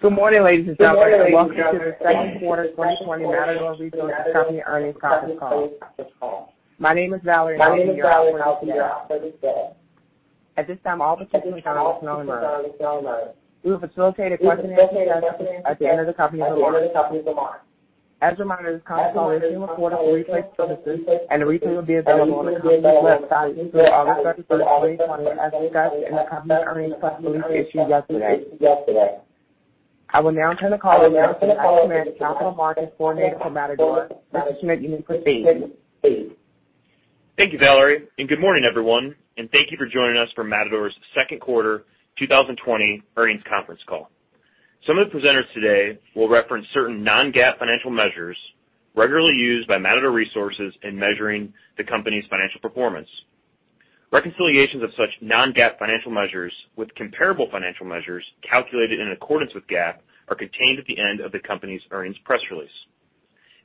Good morning, ladies and gentlemen. Welcome to the second quarter 2020 Matador Resources Company earnings conference call. My name is Valerie, and I will be your operator today. At this time, all participants are in a listen-only mode. We will facilitate question and answer at the end of the company's remarks. As a reminder, this conference will be recorded for replay purposes, and a replay will be available on the company's website through August 31, 2020, as discussed in the company earnings press release issued yesterday. I will now turn the call over to Mac Schmitz, Capital Markets Coordinator for Matador. Mr. Schmitz, you may proceed. Thank you, Valerie, good morning, everyone, and thank you for joining us for Matador's second quarter 2020 earnings conference call. Some of the presenters today will reference certain non-GAAP financial measures regularly used by Matador Resources in measuring the company's financial performance. Reconciliations of such non-GAAP financial measures with comparable financial measures calculated in accordance with GAAP are contained at the end of the company's earnings press release.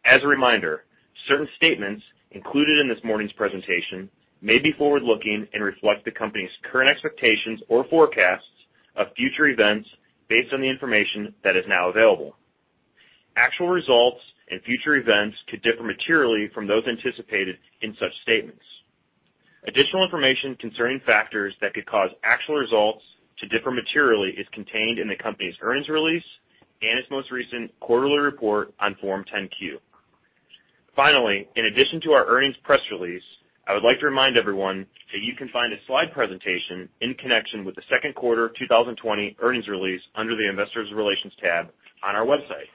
As a reminder, certain statements included in this morning's presentation may be forward-looking and reflect the company's current expectations or forecasts of future events based on the information that is now available. Actual results and future events could differ materially from those anticipated in such statements. Additional information concerning factors that could cause actual results to differ materially is contained in the company's earnings release and its most recent quarterly report on Form 10-Q. In addition to our earnings press release, I would like to remind everyone that you can find a slide presentation in connection with the second quarter of 2020 earnings release under the investors relations tab on our website.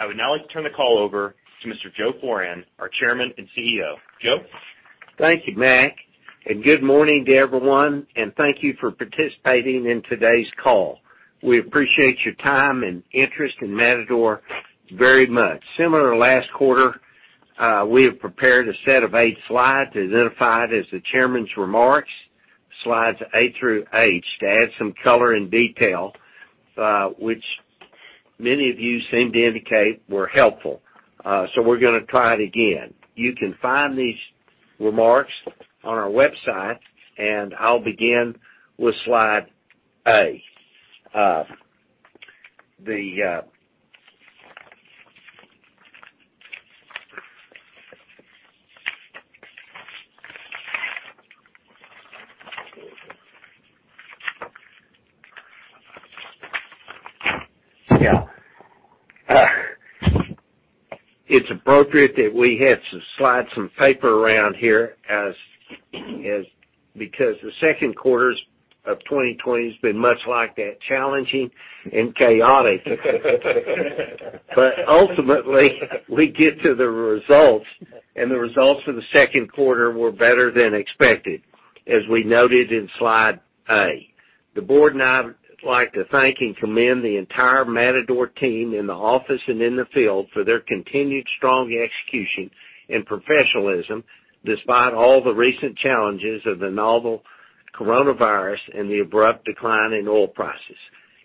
I would now like to turn the call over to Mr. Joe Foran, our Chairman and CEO. Joe? Thank you, Mac. Good morning to everyone, and thank you for participating in today's call. We appreciate your time and interest in Matador very much. Similar to last quarter, we have prepared a set of eight slides identified as the Chairman's Remarks, slides A through H, to add some color and detail, which many of you seemed to indicate were helpful. We're going to try it again. You can find these remarks on our website, and I'll begin with slide A. It's appropriate that we had to slide some paper around here because the second quarter of 2020 has been much like that, challenging and chaotic. Ultimately, we get to the results, and the results for the second quarter were better than expected, as we noted in slide A. The board and I would like to thank and commend the entire Matador team in the office and in the field for their continued strong execution and professionalism, despite all the recent challenges of the novel coronavirus and the abrupt decline in oil prices.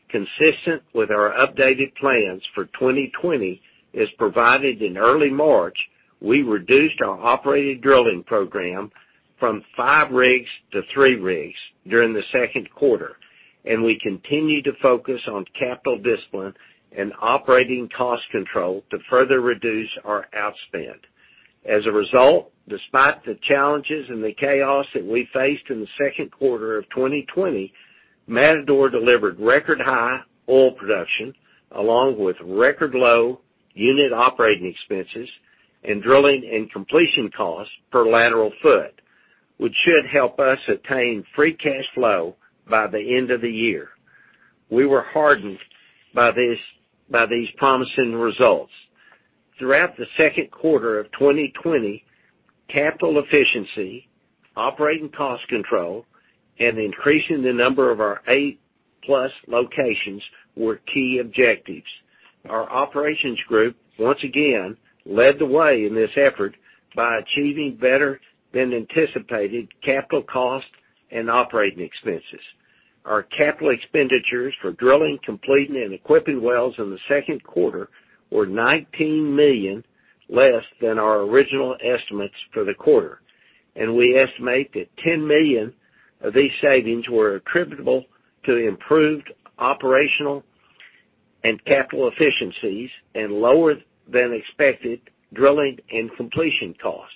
Consistent with our updated plans for 2020, as provided in early March, we reduced our operating drilling program from five rigs to three rigs during the second quarter, and we continue to focus on capital discipline and operating cost control to further reduce our outspend. As a result, despite the challenges and the chaos that we faced in the second quarter of 2020, Matador delivered record high oil production, along with record low unit operating expenses in drilling and completion costs per lateral foot, which should help us attain free cash flow by the end of the year. We were heartened by these promising results. Throughout the second quarter of 2020, capital efficiency, operating cost control, and increasing the number of our 8+ locations were key objectives. Our operations group, once again, led the way in this effort by achieving better than anticipated capital costs and operating expenses. Our capital expenditures for drilling, completing, and equipping wells in the second quarter were $19 million, less than our original estimates for the quarter. We estimate that $10 million of these savings were attributable to improved operational and capital efficiencies and lower than expected drilling and completion costs.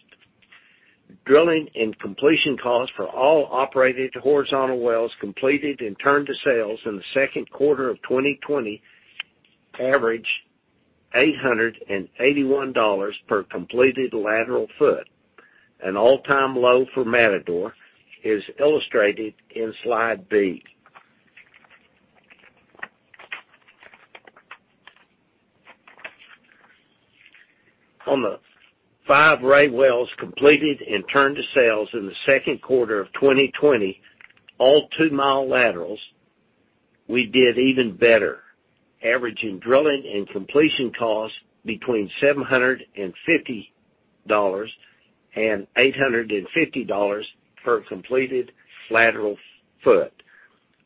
Drilling and completion costs for all operated horizontal wells completed and turned to sales in the second quarter of 2020 averaged $881 per completed lateral foot. An all-time low for Matador is illustrated in slide B. On the five Ray wells completed and turned to sales in the second quarter of 2020, all 2 mi laterals, we did even better, averaging drilling and completion costs between $750 and $850 per completed lateral foot.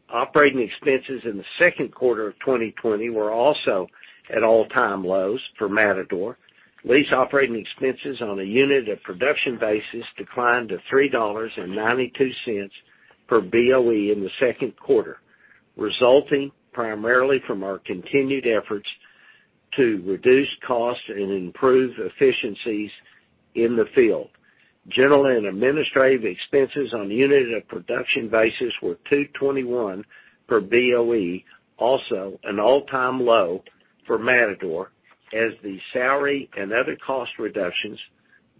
Operating expenses in the second quarter of 2020 were also at all-time lows for Matador. Lease operating expenses on a unit of production basis declined to $3.92 per BOE in the second quarter, resulting primarily from our continued efforts to reduce costs and improve efficiencies in the field. General and administrative expenses on a unit of production basis were $2.21 per BOE, also an all-time low for Matador as the salary and other cost reductions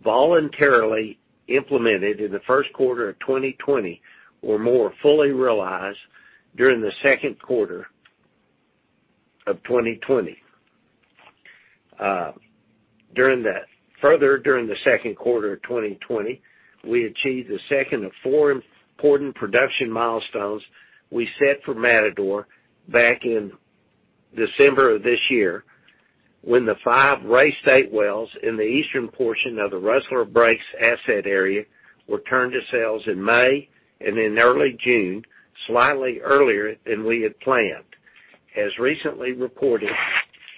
voluntarily implemented in the first quarter of 2020 were more fully realized during the second quarter of 2020. Further, during the second quarter of 2020, we achieved the second of four important production milestones we set for Matador back in December of this year, when the five Ray State wells in the eastern portion of the Rustler Breaks Asset Area were turned to sales in May and in early June, slightly earlier than we had planned. As recently reported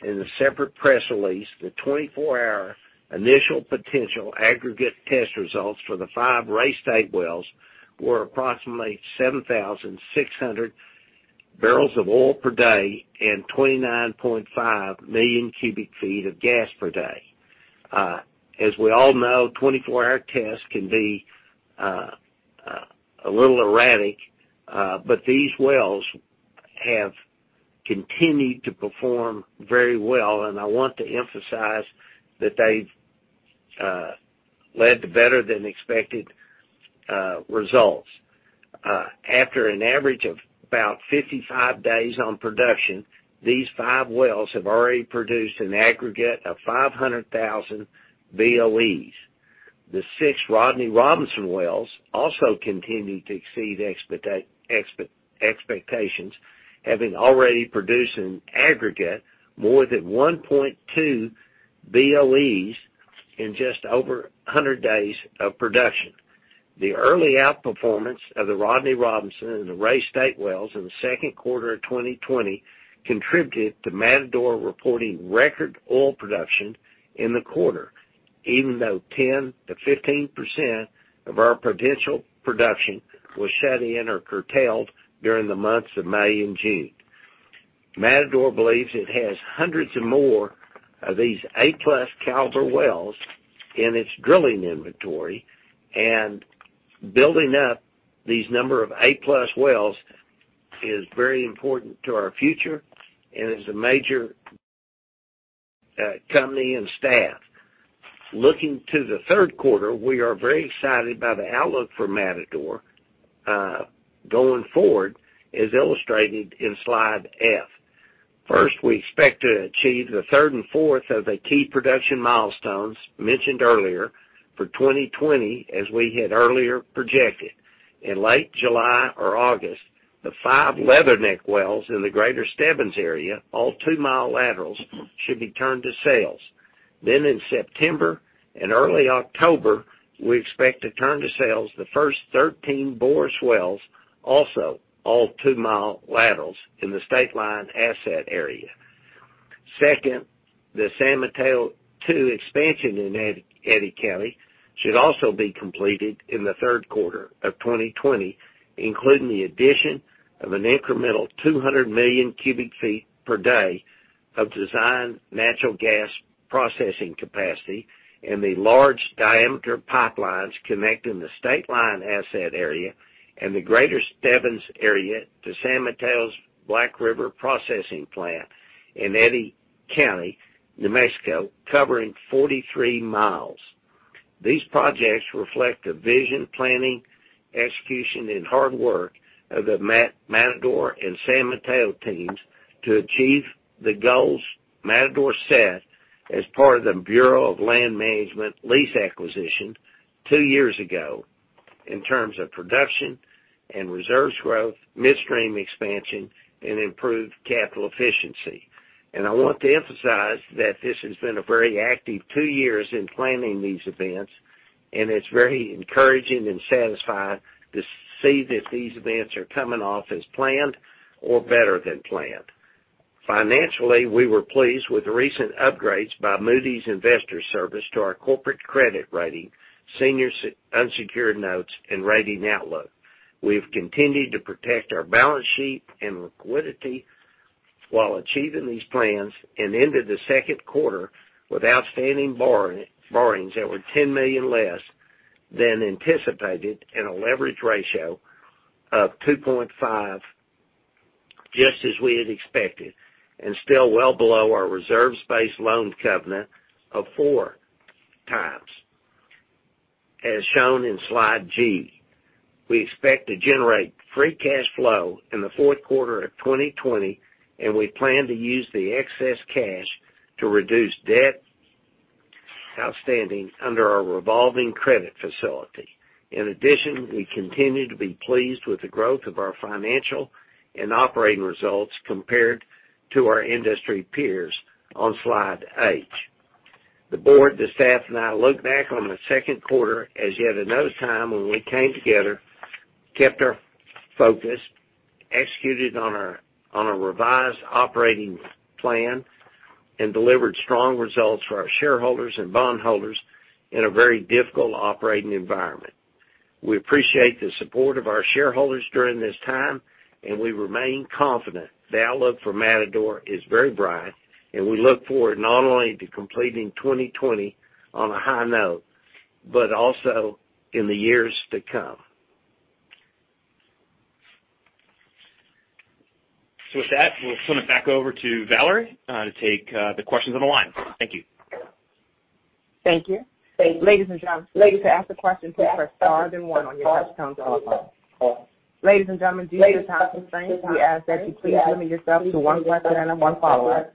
in the separate press release, the 24-hour initial potential aggregate test results for the five Ray State wells were approximately 7,600 barrels of oil per day and 29.5 million cubic feet of gas per day. As we all know, 24-hour tests can be a little erratic, these wells have continued to perform very well, and I want to emphasize that they've led to better than expected results. After an average of about 55 days on production, these five wells have already produced an aggregate of 500,000 BOEs. The six Rodney Robinson wells also continue to exceed expectations, having already produced an aggregate more than 1.2 BOEs in just over 100 days of production. The early outperformance of the Rodney Robinson and the Ray State wells in the second quarter of 2020 contributed to Matador reporting record oil production in the quarter, even though 10%-15% of our potential production was shut in or curtailed during the months of May and June. Matador believes it has hundreds of more of these A+ caliber wells in its drilling inventory, building up these number of A+ wells is very important to our future and is a major company and staff. Looking to the third quarter, we are very excited by the outlook for Matador going forward, as illustrated in slide F. We expect to achieve the third and fourth of the key production milestones mentioned earlier for 2020, as we had earlier projected. In late July or August, the five Leatherneck wells in the Greater Stebbins area, all 2-mi laterals, should be turned to sales. In September and early October, we expect to turn to sales the first 13 Boros wells, also all 2-mi laterals in the Stateline Asset Area. Second, the San Mateo II expansion in Eddy County should also be completed in the third quarter of 2020, including the addition of an incremental 200 million cubic feet per day of designed natural gas processing capacity and the large diameter pipelines connecting the Stateline Asset Area and the Greater Stebbins Area to San Mateo's Black River processing plant in Eddy County, New Mexico, covering 43 mi. These projects reflect the vision, planning, execution, and hard work of the Matador and San Mateo teams to achieve the goals Matador set as part of the Bureau of Land Management lease acquisition two years ago, in terms of production and reserves growth, midstream expansion, and improved capital efficiency. I want to emphasize that this has been a very active two years in planning these events, and it's very encouraging and satisfying to see that these events are coming off as planned or better than planned. Financially, we were pleased with the recent upgrades by Moody's Investors Service to our corporate credit rating, senior unsecured notes, and rating outlook. We have continued to protect our balance sheet and liquidity while achieving these plans and ended the second quarter with outstanding borrowings that were $10 million less than anticipated and a leverage ratio of 2.5, just as we had expected, and still well below our reserves-based loan covenant of 4x, as shown in slide G. We expect to generate free cash flow in the fourth quarter of 2020, and we plan to use the excess cash to reduce debt outstanding under our revolving credit facility. In addition, we continue to be pleased with the growth of our financial and operating results compared to our industry peers on slide H. The board, the staff, and I look back on the second quarter as yet another time when we came together, kept our focus, executed on a revised operating plan, and delivered strong results for our shareholders and bondholders in a very difficult operating environment. We appreciate the support of our shareholders during this time. We remain confident the outlook for Matador is very bright. We look forward not only to completing 2020 on a high note, but also in the years to come. With that, we'll turn it back over to Valerie to take the questions on the line. Thank you. Thank you. Ladies and gentlemen, to ask a question, please press star then one on your touchtone telephone. Ladies and gentlemen, due to time constraints, we ask that you please limit yourself to one question and one follow-up.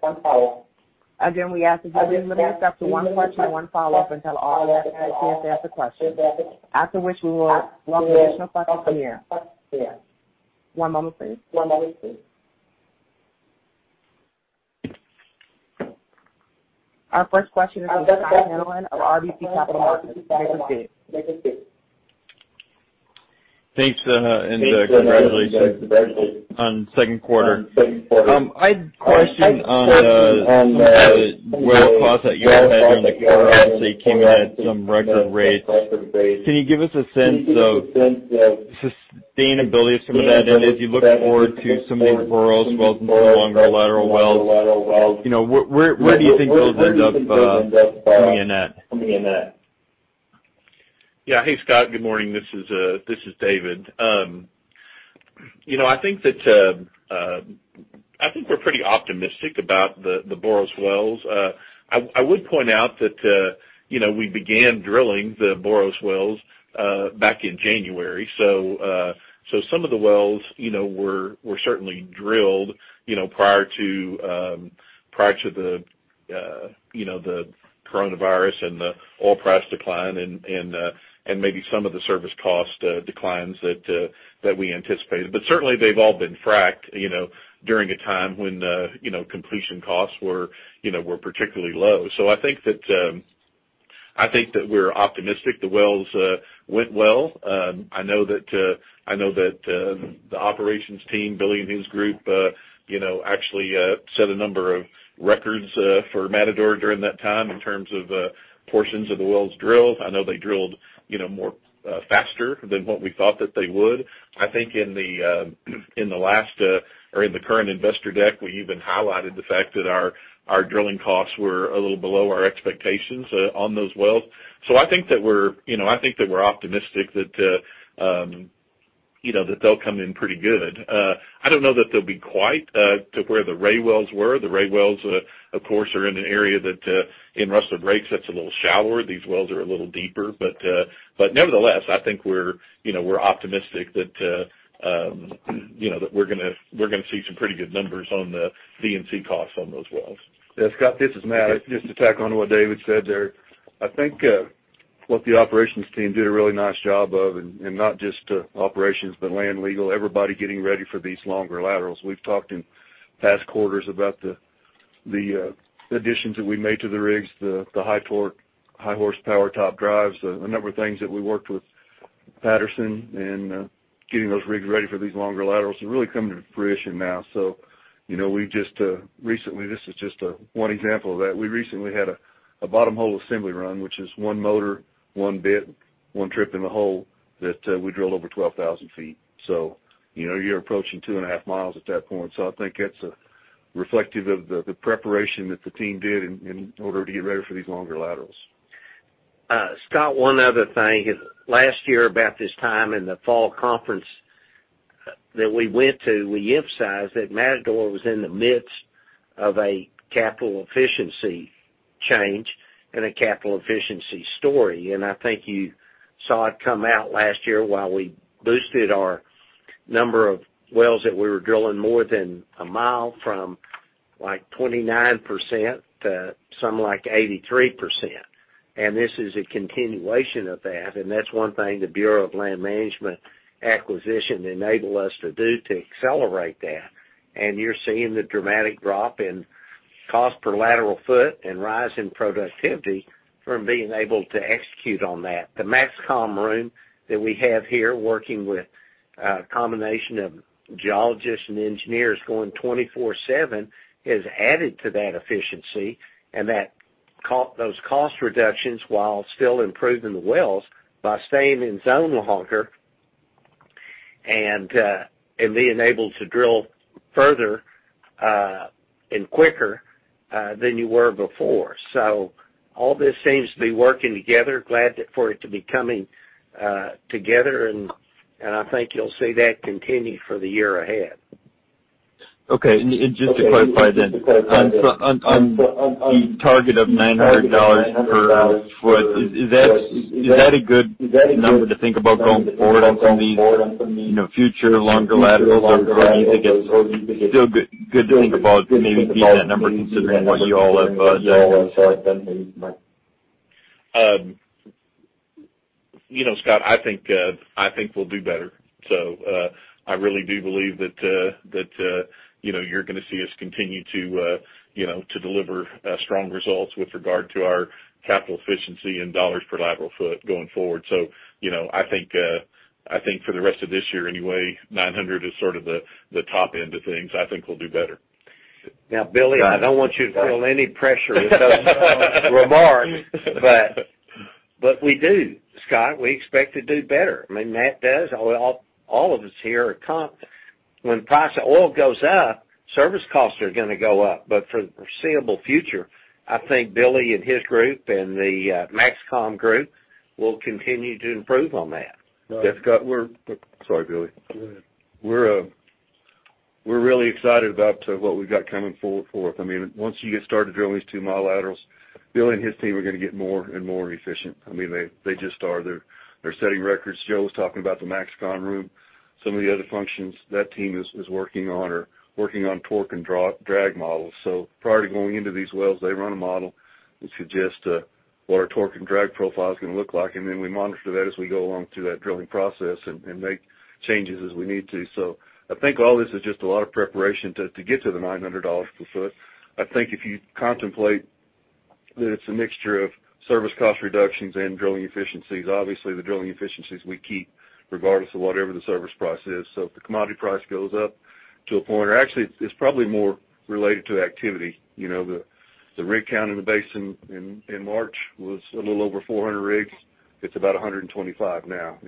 Again, we ask that you please limit yourself to one question and one follow-up until all analysts have had a chance to ask a question. After which we will allow additional questions from there. One moment please. Our first question is from Scott Hanold of RBC Capital Markets. Take it, Scott. Thanks. Congratulations on the second quarter. I had a question on some of the well costs that you all had during the quarter, obviously came in at some record rates. Can you give us a sense of the sustainability of some of that? As you look forward to some of these Boros wells and some of the longer lateral wells, where do you think those end up coming in at? Yeah. Hey, Scott. Good morning. This is David. I think we're pretty optimistic about the Boros wells. I would point out that we began drilling the Boros wells back in January. Some of the wells were certainly drilled prior to the coronavirus and the oil price decline and maybe some of the service cost declines that we anticipated. Certainly, they've all been fracked during a time when completion costs were particularly low. I think that we're optimistic the wells went well. I know that the operations team, Billy and his group actually set a number of records for Matador during that time in terms of portions of the wells drilled. I know they drilled faster than what we thought that they would. I think in the last, or in the current investor deck, we even highlighted the fact that our drilling costs were a little below our expectations on those wells. I think that we're optimistic that they'll come in pretty good. I don't know that they'll be quite to where the Ray wells were. The Ray wells, of course, are in an area that in Rustler Breaks, that's a little shallower. These wells are a little deeper. Nevertheless, I think we're optimistic that we're going to see some pretty good numbers on the D&C costs on those wells. Scott, this is Matt. Just to tack on to what David said there. I think what the operations team did a really nice job of, and not just operations, but land legal, everybody getting ready for these longer laterals. We've talked in past quarters about the additions that we made to the rigs, the high torque, high horsepower top drives, a number of things that we worked with Patterson in getting those rigs ready for these longer laterals are really coming to fruition now. We just recently, this is just one example of that. We recently had a bottom hole assembly run, which is one motor, one bit, one trip in the hole that we drilled over 12,000 ft. You're approaching 2.5 mi at that point. I think that's reflective of the preparation that the team did in order to get ready for these longer laterals. Scott, one other thing. Last year about this time in the fall conference that we went to, we emphasized that Matador was in the midst of a capital efficiency change and a capital efficiency story. I think you saw it come out last year while we boosted our number of wells that we were drilling more than a mile from like 29% to something like 83%. This is a continuation of that, and that's one thing the Bureau of Land Management acquisition enabled us to do to accelerate that. You're seeing the dramatic drop in cost per lateral foot and rise in productivity from being able to execute on that. The MAXCOM room that we have here, working with a combination of geologists and engineers going 24/7 has added to that efficiency and those cost reductions while still improving the wells by staying in zone longer, and being able to drill further and quicker than you were before. All this seems to be working together. Glad for it to be coming together, and I think you'll see that continue for the year ahead. Okay. Just to clarify then, on the target of $900 per foot, is that a good number to think about going forward on some of these future longer laterals? Or do you think it's still good to think about maybe beating that number considering what you all have done so far? Scott, I think we'll do better. I really do believe that you're going to see us continue to deliver strong results with regard to our capital efficiency and dollars per lateral foot going forward. I think for the rest of this year anyway, 900 is sort of the top end of things. I think we'll do better. Now, Billy, I don't want you to feel any pressure with those remarks. We do, Scott. We expect to do better. Matt does. All of us here are. When the price of oil goes up, service costs are going to go up. For the foreseeable future, I think Billy and his group and the MAXCOM group will continue to improve on that. Right. Scott, sorry, Billy. Go ahead. We're really excited about what we've got coming forth. Once you get started drilling these 2-mi laterals, Billy and his team are going to get more and more efficient. They just are. They're setting records. Joe was talking about the MAXCOM room. Some of the other functions that team is working on torque and drag models. Prior to going into these wells, they run a model that suggests what our torque and drag profile is going to look like, and then we monitor that as we go along through that drilling process and make changes as we need to. I think all this is just a lot of preparation to get to the $900 per foot. I think if you contemplate that it's a mixture of service cost reductions and drilling efficiencies, obviously the drilling efficiencies we keep regardless of whatever the service price is. If the commodity price goes up, it's probably more related to activity. The rig count in the basin in March was a little over 400 rigs. It's about 125 now.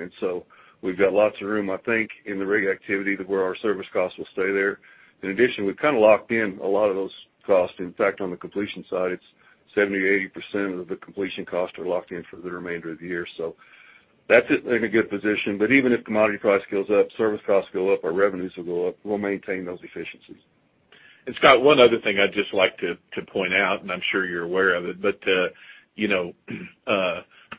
We've got lots of room, I think, in the rig activity to where our service costs will stay there. In addition, we've kind of locked in a lot of those costs. In fact, on the completion side, it's 70%-80% of the completion costs are locked in for the remainder of the year. That's in a good position. Even if commodity price goes up, service costs go up, our revenues will go up. We'll maintain those efficiencies. Scott, one other thing I'd just like to point out, and I'm sure you're aware of it, but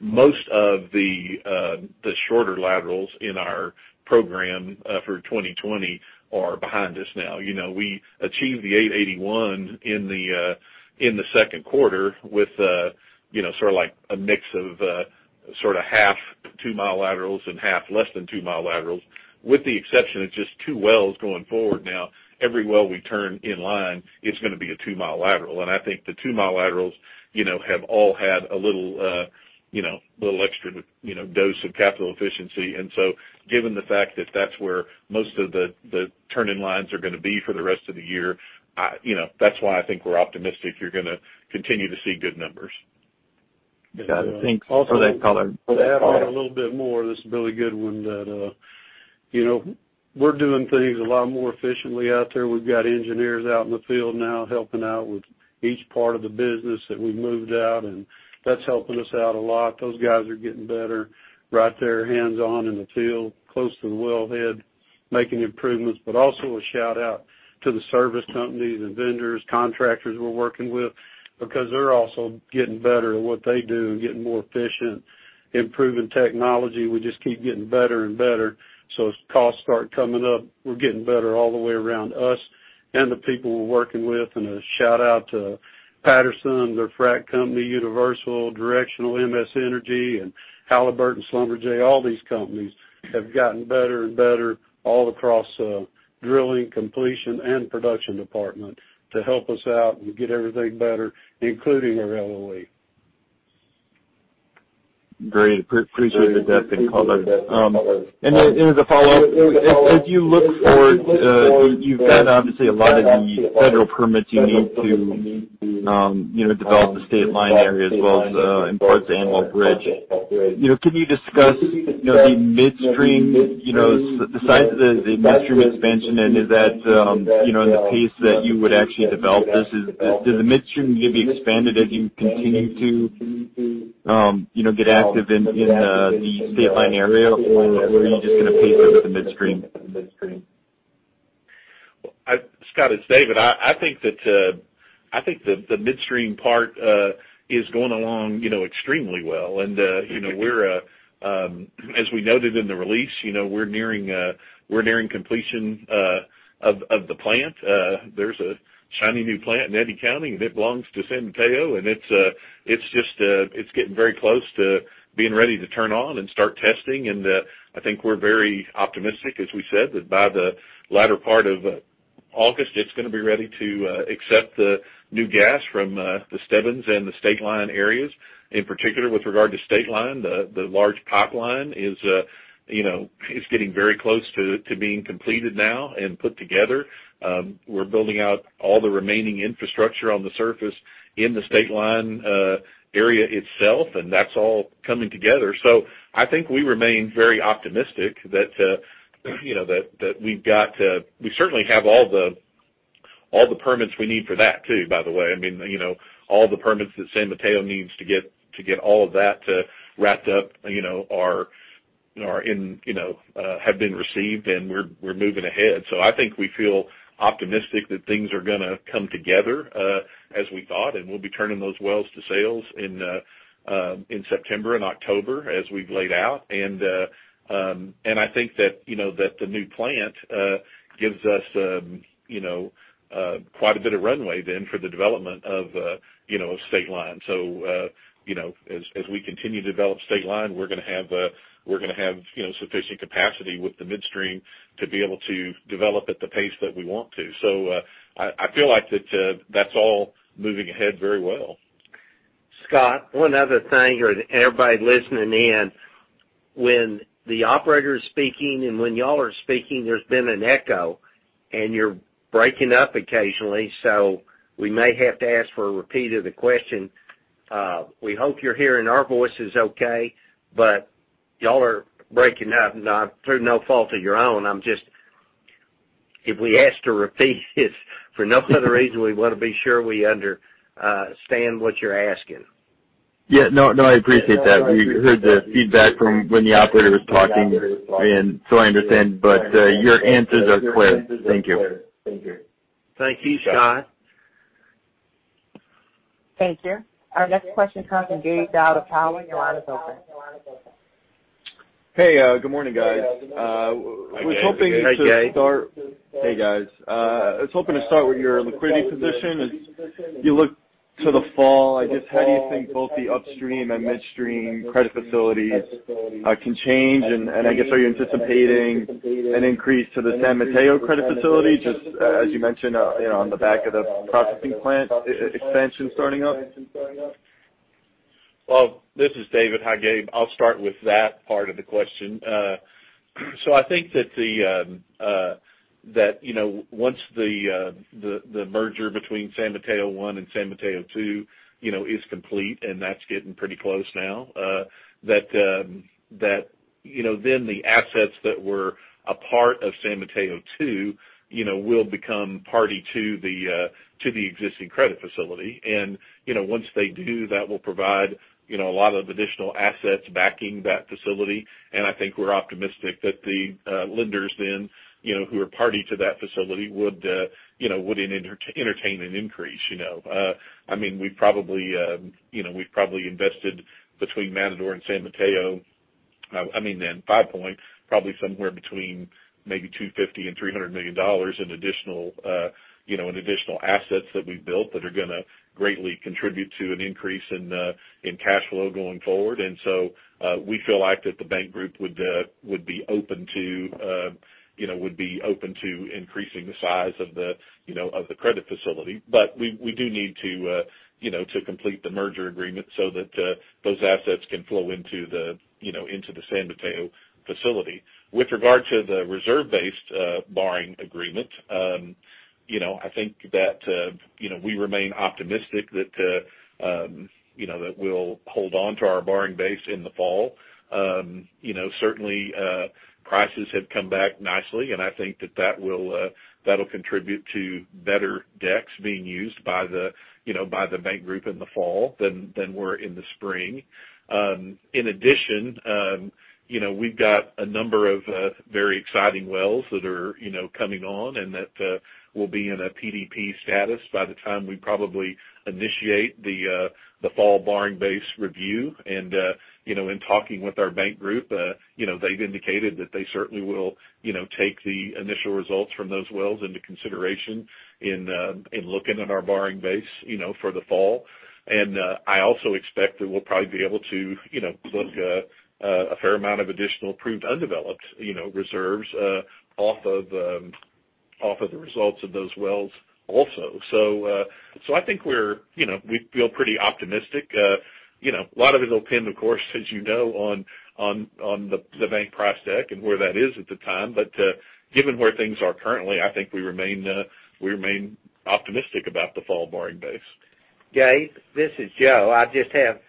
most of the shorter laterals in our program for 2020 are behind us now. We achieved the 881 in the second quarter with a mix of half 2-mi laterals and half less than 2-mi laterals, with the exception of just two wells going forward now. Every well we turn in line, it's going to be a 2-mi lateral. I think the 2-mi laterals have all had a little extra dose of capital efficiency. Given the fact that that's where most of the turning lines are going to be for the rest of the year, that's why I think we're optimistic you're going to continue to see good numbers. Got it. Thanks for that color. To add on a little bit more, this is Billy Goodwin. We're doing things a lot more efficiently out there. We've got engineers out in the field now helping out with each part of the business that we've moved out, that's helping us out a lot. Those guys are getting better right there, hands-on in the field, close to the wellhead, making improvements. Also a shout-out to the service companies and vendors, contractors we're working with, because they're also getting better at what they do and getting more efficient, improving technology. We just keep getting better and better. As costs start coming up, we're getting better all the way around us and the people we're working with. A shout-out to Patterson, their frack company, Universal, Directional, MS Energy, and Halliburton, Schlumberger. All these companies have gotten better and better all across Drilling, Completions, and Production Department to help us out and get everything better, including our LOE. Great. Appreciate the depth and color. As a follow-up, as you look forward, you've got, obviously, a lot of the federal permits you need to develop the Stateline area as well as in parts of Antelope Ridge. Can you discuss the midstream expansion, and is that in the pace that you would actually develop this? Does the midstream need to be expanded as you continue to get active in the Stateline area? Or are you just going to pace up the midstream? Scott, it's David. I think that the midstream part is going along extremely well. As we noted in the release, we're nearing completion of the plant. There's a shiny new plant in Eddy County, and it belongs to San Mateo, and it's getting very close to being ready to turn on and start testing. I think we're very optimistic, as we said, that by the latter part of August, it's going to be ready to accept the new gas from the Stebbins and the Stateline areas. In particular, with regard to Stateline, the large pipeline is getting very close to being completed now and put together. We're building out all the remaining infrastructure on the surface in the Stateline area itself, and that's all coming together. I think we remain very optimistic that we certainly have all the permits we need for that, too, by the way. All the permits that San Mateo needs to get all of that wrapped up have been received, and we're moving ahead. I think we feel optimistic that things are going to come together as we thought, and we'll be turning those wells to sales in September and October as we've laid out. I think that the new plant gives us quite a bit of runway then for the development of Stateline. As we continue to develop Stateline, we're going to have sufficient capacity with the midstream to be able to develop at the pace that we want to. I feel like that's all moving ahead very well. Scott, one other thing here. Everybody listening in, when the operator is speaking and when y'all are speaking, there's been an echo, and you're breaking up occasionally. We may have to ask for a repeat of the question. We hope you're hearing our voices okay. Y'all are breaking up, and through no fault of your own. If we ask to repeat it, for no other reason, we want to be sure we understand what you're asking. Yeah. No, I appreciate that. We heard the feedback from when the operator was talking. I understand. Your answers are clear. Thank you. Thank you, Scott. Thank you. Our next question comes from Gabe Daoud of Cowen. Your line is open. Hey, good morning, guys. Hi, Gabe. Hey, guys. I was hoping to start with your liquidity position. As you look to the fall, I guess, how do you think both the upstream and midstream credit facilities can change? I guess, are you anticipating an increase to the San Mateo credit facility, just as you mentioned on the back of the processing plant expansion starting up? Well, this is David. Hi, Gabe. I'll start with that part of the question. I think that once the merger between San Mateo I and San Mateo II is complete, that's getting pretty close now, then the assets that were a part of San Mateo II will become party to the existing credit facility. Once they do, that will provide a lot of additional assets backing that facility. I think we're optimistic that the lenders then who are party to that facility would entertain an increase. We've probably invested between Matador and San Mateo, then Five Point, probably somewhere between $250 million-$300 million in additional assets that we've built that are going to greatly contribute to an increase in cash flow going forward. We feel like that the bank group would be open to increasing the size of the credit facility. We do need to complete the merger agreement so that those assets can flow into the San Mateo facility. With regard to the reserve-based borrowing agreement, I think that we remain optimistic that we'll hold on to our borrowing base in the fall. Certainly, prices have come back nicely, and I think that'll contribute to better decks being used by the bank group in the fall than were in the spring. In addition, we've got a number of very exciting wells that are coming on and that will be in a PDP status by the time we probably initiate the fall borrowing base review. In talking with our bank group, they've indicated that they certainly will take the initial results from those wells into consideration in looking at our borrowing base for the fall. I also expect that we'll probably be able to book a fair amount of additional proved undeveloped reserves off of the results of those wells also. I think we feel pretty optimistic. A lot of it will pin, of course, as you know, on the bank price deck and where that is at the time. Given where things are currently, I think we remain optimistic about the fall borrowing base. Gabe, this is Joe. I just have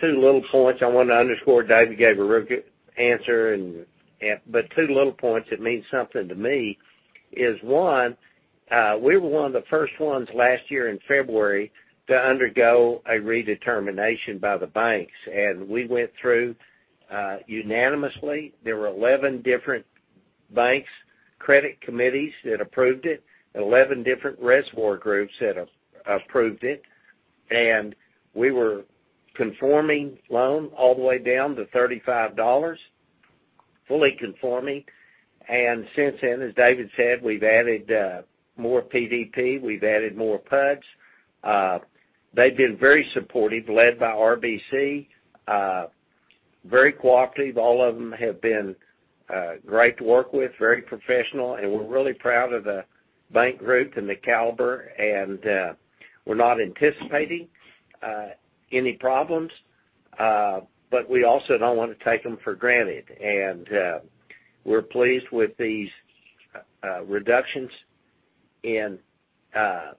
two little points I want to underscore. David gave a real good answer, but two little points that means something to me is, one, we were one of the first ones last year in February to undergo a redetermination by the banks, and we went through unanimously. There were 11 different banks' credit committees that approved it, and 11 different reservoir groups that approved it. We were conforming loan all the way down to $35, fully conforming. Since then, as David said, we've added more PDP, we've added more PUDs. They've been very supportive, led by RBC. Very cooperative. All of them have been great to work with, very professional, and we're really proud of the bank group and the caliber, and we're not anticipating any problems. We also don't want to take them for granted. We're pleased with these reductions in G&A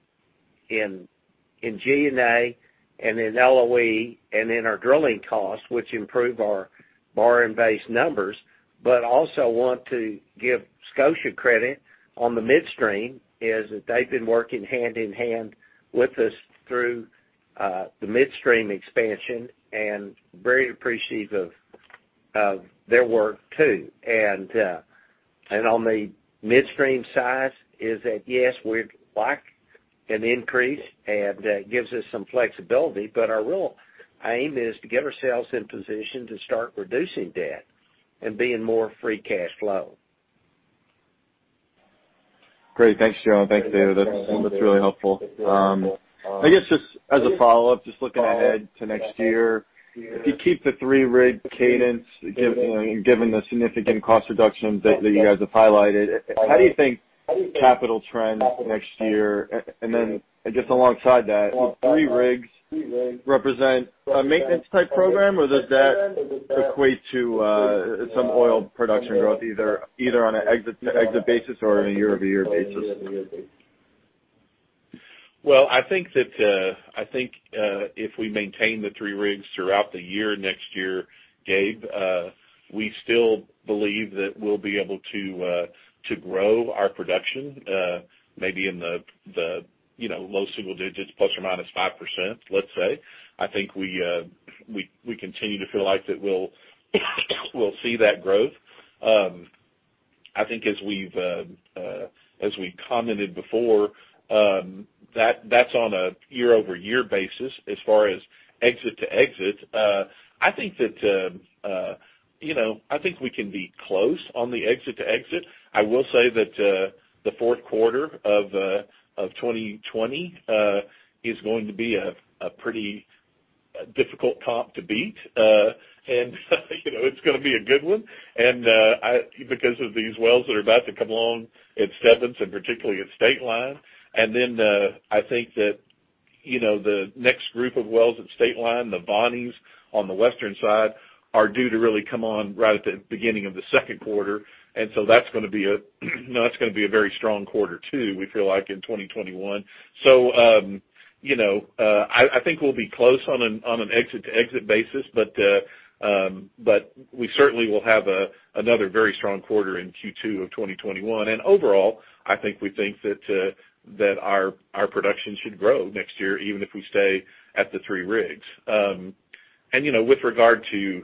and in LOE and in our drilling costs, which improve our borrowing base numbers. Also want to give Scotia credit on the midstream, is that they've been working hand-in-hand with us through the midstream expansion, and very appreciative of their work too. On the midstream size is that, yes, we'd like an increase and that gives us some flexibility, but our real aim is to get ourselves in position to start reducing debt and be in more free cash flow. Great. Thanks, Joe. Thanks, David. That's really helpful. I guess just as a follow-up, just looking ahead to next year, if you keep the three-rig cadence, given the significant cost reductions that you guys have highlighted, how do you think capital trends next year? I guess alongside that, would three rigs represent a maintenance type program, or does that equate to some oil production growth, either on an exit-to-exit basis or on a year-over-year basis? Well, I think if we maintain the three rigs throughout the year next year, Gabe, we still believe that we'll be able to grow our production maybe in the low single digits, ±5%, let's say. I think we continue to feel like that we'll see that growth. I think as we commented before, that's on a year-over-year basis. As far as exit-to-exit, I think we can be close on the exit-to-exit. I will say that the fourth quarter of 2020 is going to be a pretty difficult comp to beat. It's going to be a good one because of these wells that are about to come along at Stebbins, and particularly at Stateline. I think that the next group of wells at Stateline, the Voni on the western side, are due to really come on right at the beginning of the second quarter. That's going to be a very strong Q2, we feel like, in 2021. I think we'll be close on an exit-to-exit basis. We certainly will have another very strong quarter in Q2 of 2021. Overall, I think we think that our production should grow next year, even if we stay at the three rigs. With regard to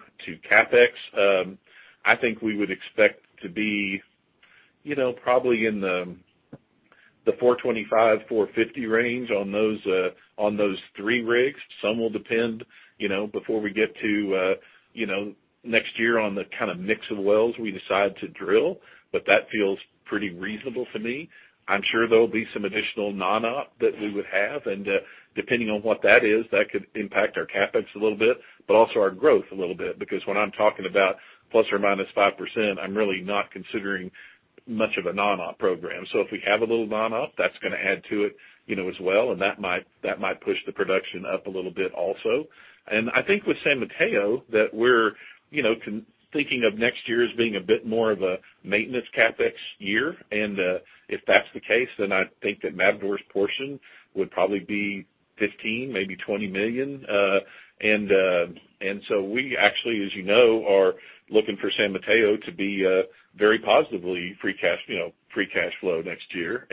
CapEx, I think we would expect to be probably in the $425 million-$450 million range on those three rigs. Some will depend before we get to next year on the kind of mix of wells we decide to drill, but that feels pretty reasonable for me. I'm sure there'll be some additional non-op that we would have, depending on what that is, that could impact our CapEx a little bit, but also our growth a little bit. When I'm talking about ±5%, I'm really not considering much of a non-op program. If we have a little non-op, that's going to add to it as well, and that might push the production up a little bit also. I think with San Mateo that we're thinking of next year as being a bit more of a maintenance CapEx year. If that's the case, then I think that Matador's portion would probably be 15, maybe $20 million. We actually, as you know, are looking for San Mateo to be very positively free cash flow next year.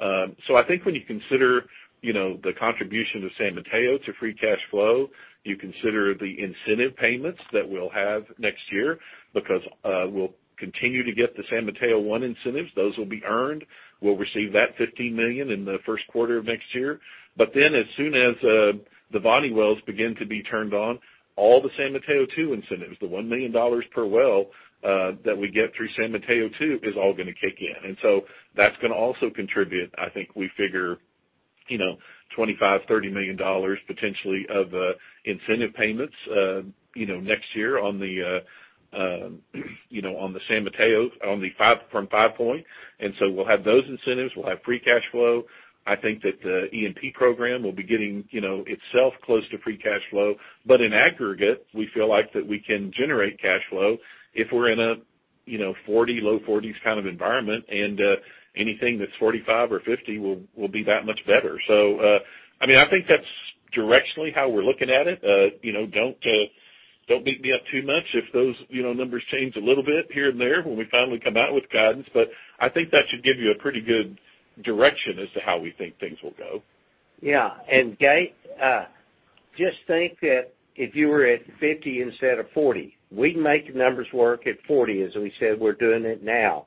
I think when you consider the contribution of San Mateo to free cash flow, you consider the incentive payments that we'll have next year, because we'll continue to get the San Mateo I incentives. Those will be earned. We'll receive that $15 million in the first quarter of next year. As soon as the Voni wells begin to be turned on, all the San Mateo II incentives, the $1 million per well that we get through San Mateo II is all going to kick in. That's going to also contribute. I think we figure $25 million-$30 million potentially of incentive payments next year on the San Mateo from Five Point. We'll have those incentives. We'll have free cash flow. I think that the E&P program will be getting itself close to free cash flow. In aggregate, we feel like that we can generate cash flow if we're in a 40, low 40s kind of environment. Anything that's 45 or 50 will be that much better. I think that's directionally how we're looking at it. Don't beat me up too much if those numbers change a little bit here and there when we finally come out with guidance. I think that should give you a pretty good direction as to how we think things will go. Yeah. Gabe, just think that if you were at 50 instead of 40, we'd make the numbers work at 40. As we said, we're doing it now.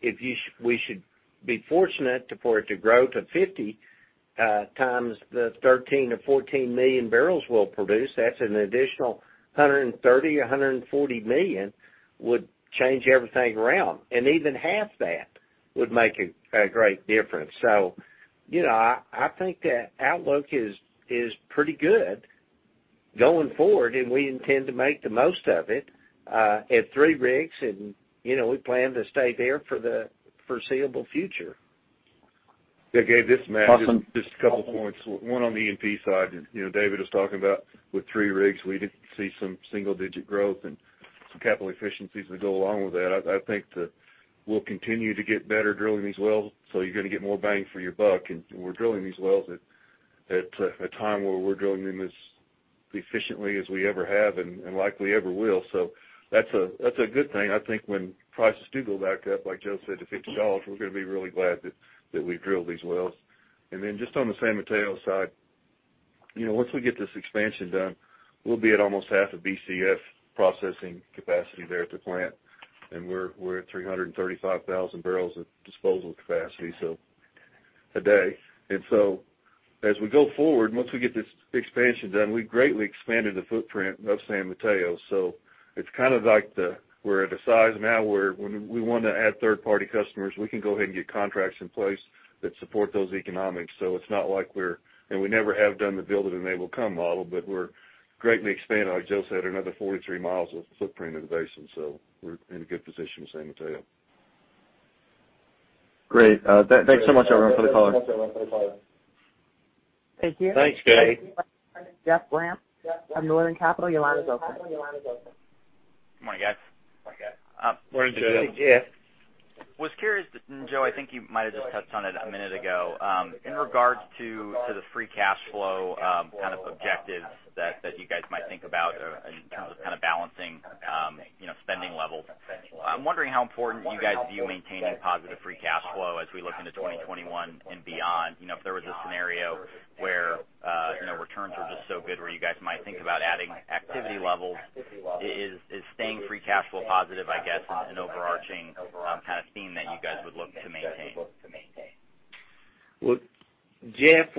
If we should be fortunate for it to grow to 50 times the 13 or 14 million barrels we'll produce, that's an additional $130 million, $140 million would change everything around. Even half that would make a great difference. I think the outlook is pretty good going forward, and we intend to make the most of it at three rigs, and we plan to stay there for the foreseeable future. Yeah, Gabe, this is Matt. Awesome. Just a couple of points. One on the E&P side. David was talking about with three rigs, we could see some single-digit growth and some capital efficiencies that go along with that. I think that we'll continue to get better drilling these wells, so you're going to get more bang for your buck. We're drilling these wells at a time where we're drilling them as efficiently as we ever have and likely ever will. That's a good thing. I think when prices do go back up, like Joe said, to $50, we're going to be really glad that we drilled these wells. Just on the San Mateo side, once we get this expansion done, we'll be at almost half of BCF processing capacity there at the plant, and we're at 335,000 barrels of disposal capacity. A day. As we go forward, once we get this expansion done, we greatly expanded the footprint of San Mateo. It's like, we're at a size now where when we want to add third-party customers, we can go ahead and get contracts in place that support those economics. We never have done the build it and they will come model, but we're greatly expanding, like Joe said, another 43 mi of footprint in the basin. We're in a good position in San Mateo. Great. Thanks so much everyone for the call. Thank you. Thanks, Gabe. Jeff Grampp from Northland Capital. Your line is open. Good morning, guys. Morning, Jeff. Morning, Jeff. Was curious, and Joe, I think you might've just touched on it a minute ago, in regards to the free cash flow kind of objectives that you guys might think about in terms of kind of balancing spending levels. I'm wondering how important you guys view maintaining positive free cash flow as we look into 2021 and beyond. If there was a scenario where returns are just so good where you guys might think about adding activity levels, is staying free cash flow positive, I guess, an overarching kind of theme that you guys would look to maintain? Well, Jeff,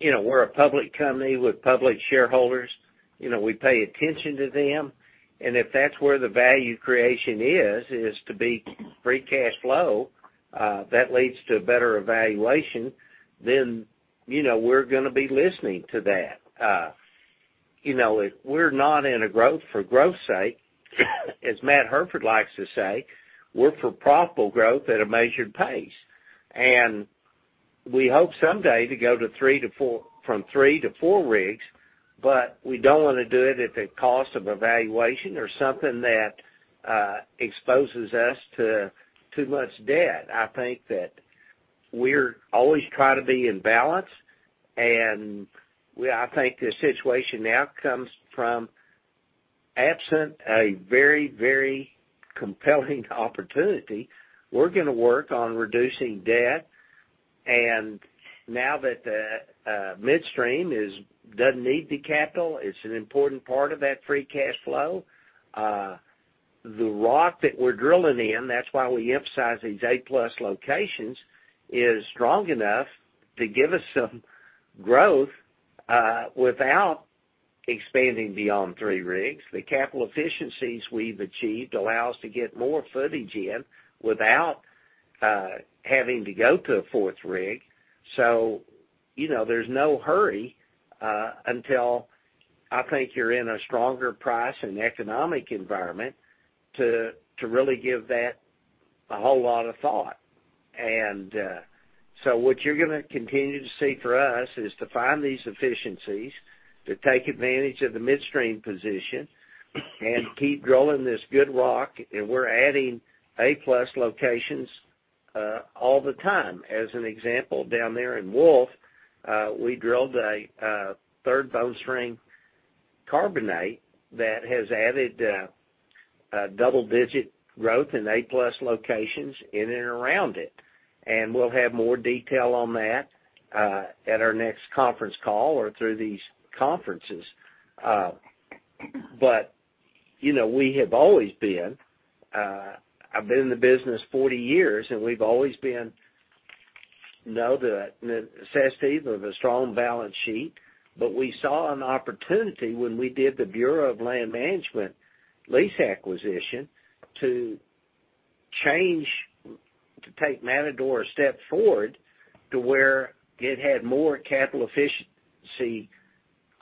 we're a public company with public shareholders. We pay attention to them. If that's where the value creation is to be free cash flow that leads to a better valuation, we're going to be listening to that. We're not in a growth for growth's sake. As Matt Hairford likes to say, "We're for profitable growth at a measured pace." We hope someday to go from three to four rigs. We don't want to do it at the cost of valuation or something that exposes us to too much debt. I think that we're always trying to be in balance. I think the situation now comes from absent a very compelling opportunity, we're going to work on reducing debt. Now that the midstream doesn't need the capital, it's an important part of that free cash flow. The rock that we're drilling in, that's why we emphasize these A+ locations, is strong enough to give us some growth without expanding beyond three rigs. The capital efficiencies we've achieved allow us to get more footage in without having to go to a fourth rig. There's no hurry, until I think you're in a stronger price and economic environment to really give that a whole lot of thought. What you're going to continue to see from us is to find these efficiencies, to take advantage of the midstream position, and keep drilling this good rock, and we're adding A+ locations all the time. As an example, down there in Wolf, we drilled a Third Bone Spring Carbonate that has added double-digit growth in A+ locations in and around it. We'll have more detail on that at our next conference call or through these conferences. We have always been, I've been in the business 40 years, and we've always been the sensitive of a strong balance sheet. We saw an opportunity when we did the Bureau of Land Management lease acquisition to take Matador a step forward to where it had more capital efficiency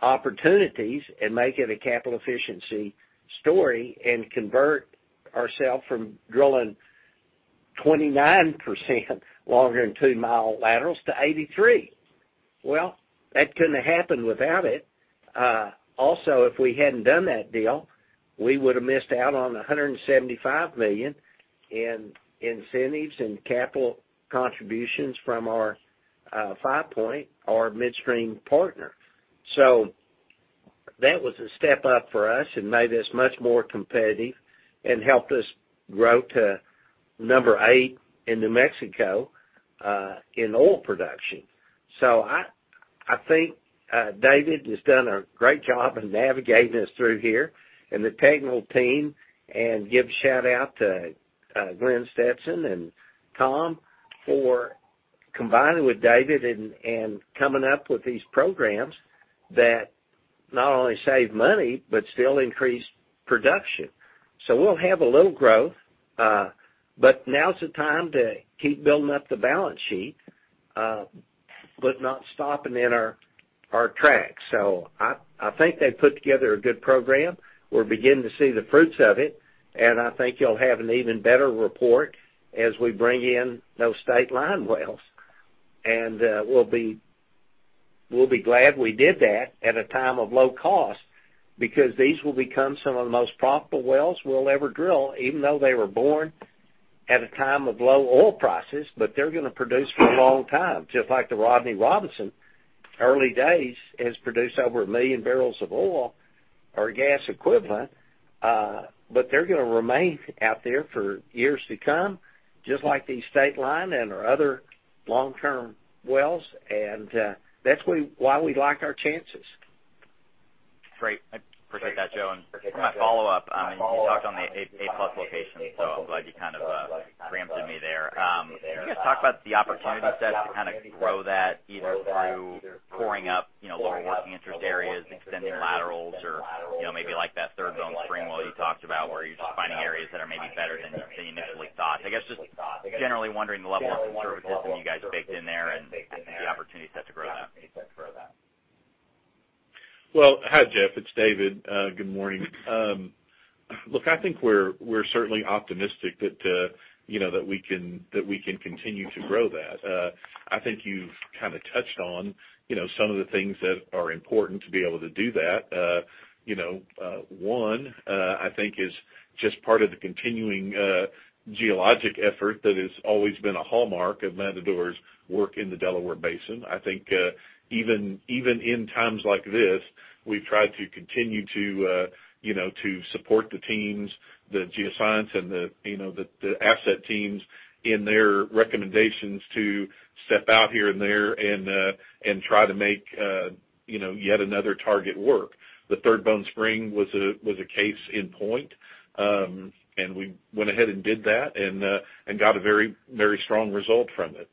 opportunities and make it a capital efficiency story, and convert ourself from drilling 29% longer than 2-mi laterals to 83%. That couldn't have happened without it. Also, if we hadn't done that deal, we would've missed out on $175 million in incentives and capital contributions from our Five Point, our midstream partner. That was a step up for us and made us much more competitive and helped us grow to number eight in New Mexico, in oil production. I think David has done a great job in navigating us through here and the technical team, and give a shout-out to Glenn Stetson and Tom for combining with David and coming up with these programs that not only save money but still increase production. We'll have a little growth, but now's the time to keep building up the balance sheet, but not stopping in our track. I think they put together a good program. We're beginning to see the fruits of it, and I think you'll have an even better report as we bring in those Stateline wells. We'll be glad we did that at a time of low cost because these will become some of the most profitable wells we'll ever drill, even though they were born at a time of low oil prices. They're going to produce for a long time, just like the Rodney Robinson early days has produced over 1 million barrels of oil or gas equivalent. They're going to remain out there for years to come, just like these Stateline and our other long-term wells. That's why we like our chances. Great. I appreciate that, Joe. For my follow-up, you talked on the A+ location, so I'm glad you kind of preempted me there. Can you guys talk about the opportunity set to kind of grow that either through pouring up lower working interest areas, extending laterals, or maybe like that Third Bone Spring well you talked about where you're just finding areas that are maybe better than you initially thought. I guess, just generally wondering the level of services that you guys baked in there and the opportunity set to grow that. Well, hi, Jeff, it's David. Good morning. Look, I think we're certainly optimistic that we can continue to grow that. I think you've kind of touched on some of the things that are important to be able to do that. One, I think is just part of the continuing geologic effort that has always been a hallmark of Matador's work in the Delaware Basin. I think, even in times like this, we've tried to continue to support the teams, the geoscience and the asset teams in their recommendations to step out here and there and try to make yet another target work. The Third Bone Spring was a case in point, and we went ahead and did that and got a very strong result from it.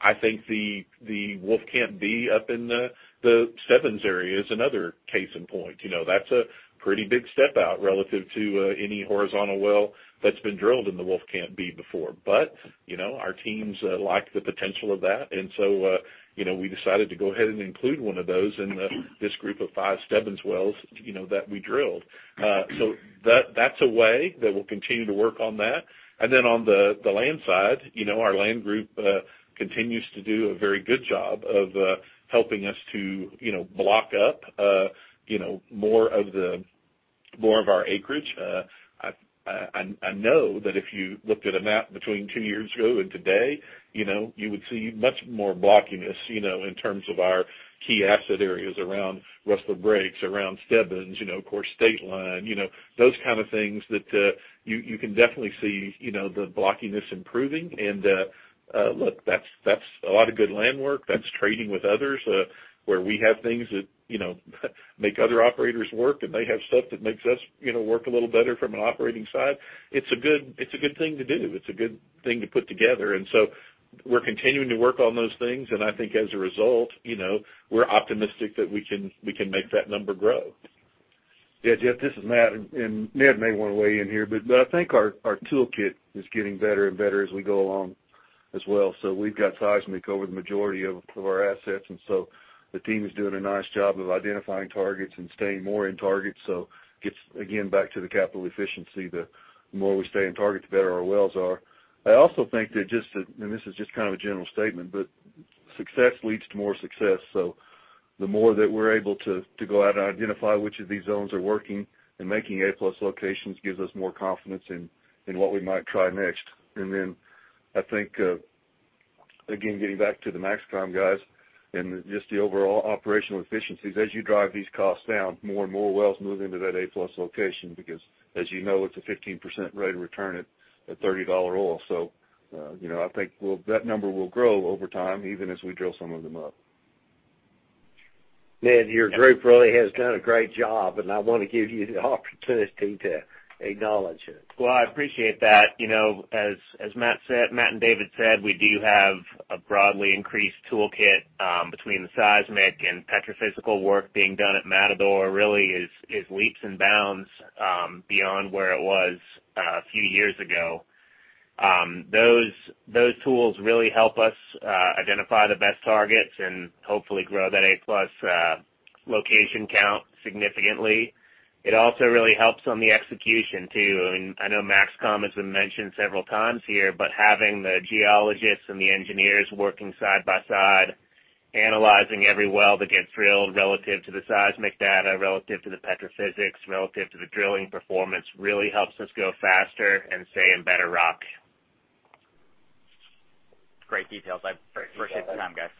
I think the Wolfcamp D up in the Stebbins area is another case in point. That's a pretty big step out relative to any horizontal well that's been drilled in the Wolfcamp D before. Our teams like the potential of that. We decided to go ahead and include one of those in this group of five Stebbins wells that we drilled. That's a way that we'll continue to work on that. On the land side, our land group continues to do a very good job of helping us to block up more of our acreage. I know that if you looked at a map between two years ago and today, you would see much more blockiness in terms of our key asset areas around Rustler Breaks, around Stebbins, of course, Stateline, those kind of things that you can definitely see the blockiness improving. Look, that's a lot of good land work, that's trading with others, where we have things that make other operators work, and they have stuff that makes us work a little better from an operating side. It's a good thing to do. It's a good thing to put together. We're continuing to work on those things, and I think as a result, we're optimistic that we can make that number grow. Yeah, Jeff, this is Matt. Ned may want to weigh in here, but I think our toolkit is getting better and better as we go along as well. We've got seismic over the majority of our assets, the team is doing a nice job of identifying targets and staying more in target. Gets, again, back to the capital efficiency, the more we stay in target, the better our wells are. I also think that this is just kind of a general statement, but success leads to more success. The more that we're able to go out and identify which of these zones are working and making A+ locations gives us more confidence in what we might try next. I think, again, getting back to the MAXCOM guys and just the overall operational efficiencies, as you drive these costs down, more and more wells move into that A+ location because as you know, it's a 15% rate of return at $30 oil. I think that number will grow over time, even as we drill some of them up. Ned, your group really has done a great job, and I want to give you the opportunity to acknowledge it. Well, I appreciate that. As Matt and David said, we do have a broadly increased toolkit between the seismic and petrophysical work being done at Matador really is leaps and bounds beyond where it was a few years ago. Those tools really help us identify the best targets and hopefully grow that A+ location count significantly. It also really helps on the execution, too. I know MAXCOM has been mentioned several times here, but having the geologists and the engineers working side by side, analyzing every well that gets drilled relative to the seismic data, relative to the petrophysics, relative to the drilling performance, really helps us go faster and stay in better rock. Great details. I appreciate the time, guys.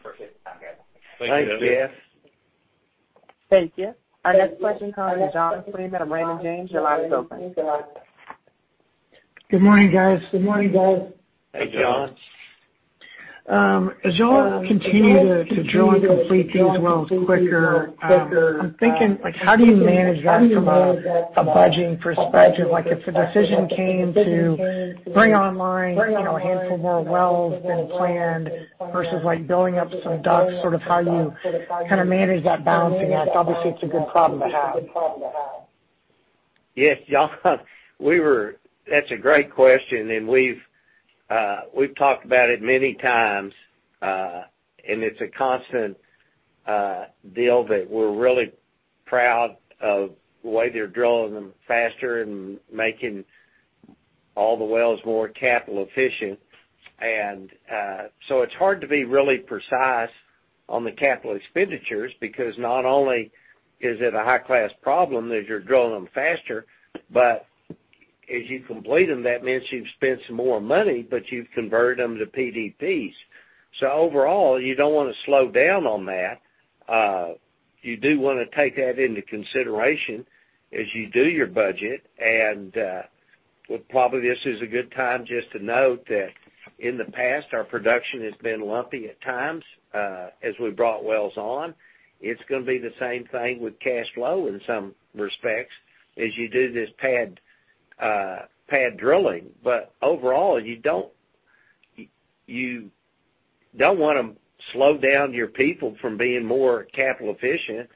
Thanks, Jeff. Thank you. Our next question comes from John Freeman of Raymond James. Your line is open. Good morning, guys. Hey, John. As y'all continue to drill and complete these wells quicker, I'm thinking, how do you manage that from a budgeting perspective? Like if the decision came to bring online a handful more wells than planned versus building up some DUCs, sort of how you manage that balancing act? Obviously, it's a good problem to have. Yes, John. That's a great question. We've talked about it many times. It's a constant deal that we're really proud of the way they're drilling them faster and making all the wells more capital efficient. It's hard to be really precise on the capital expenditures because not only is it a high-class problem as you're drilling them faster, but as you complete them, that means you've spent some more money, but you've converted them to PDPs. Overall, you don't want to slow down on that. You do want to take that into consideration as you do your budget. Well, probably this is a good time just to note that in the past, our production has been lumpy at times as we brought wells on. It's going to be the same thing with cash flow in some respects as you do this pad drilling. Overall, you don't want to slow down your people from being more capital efficient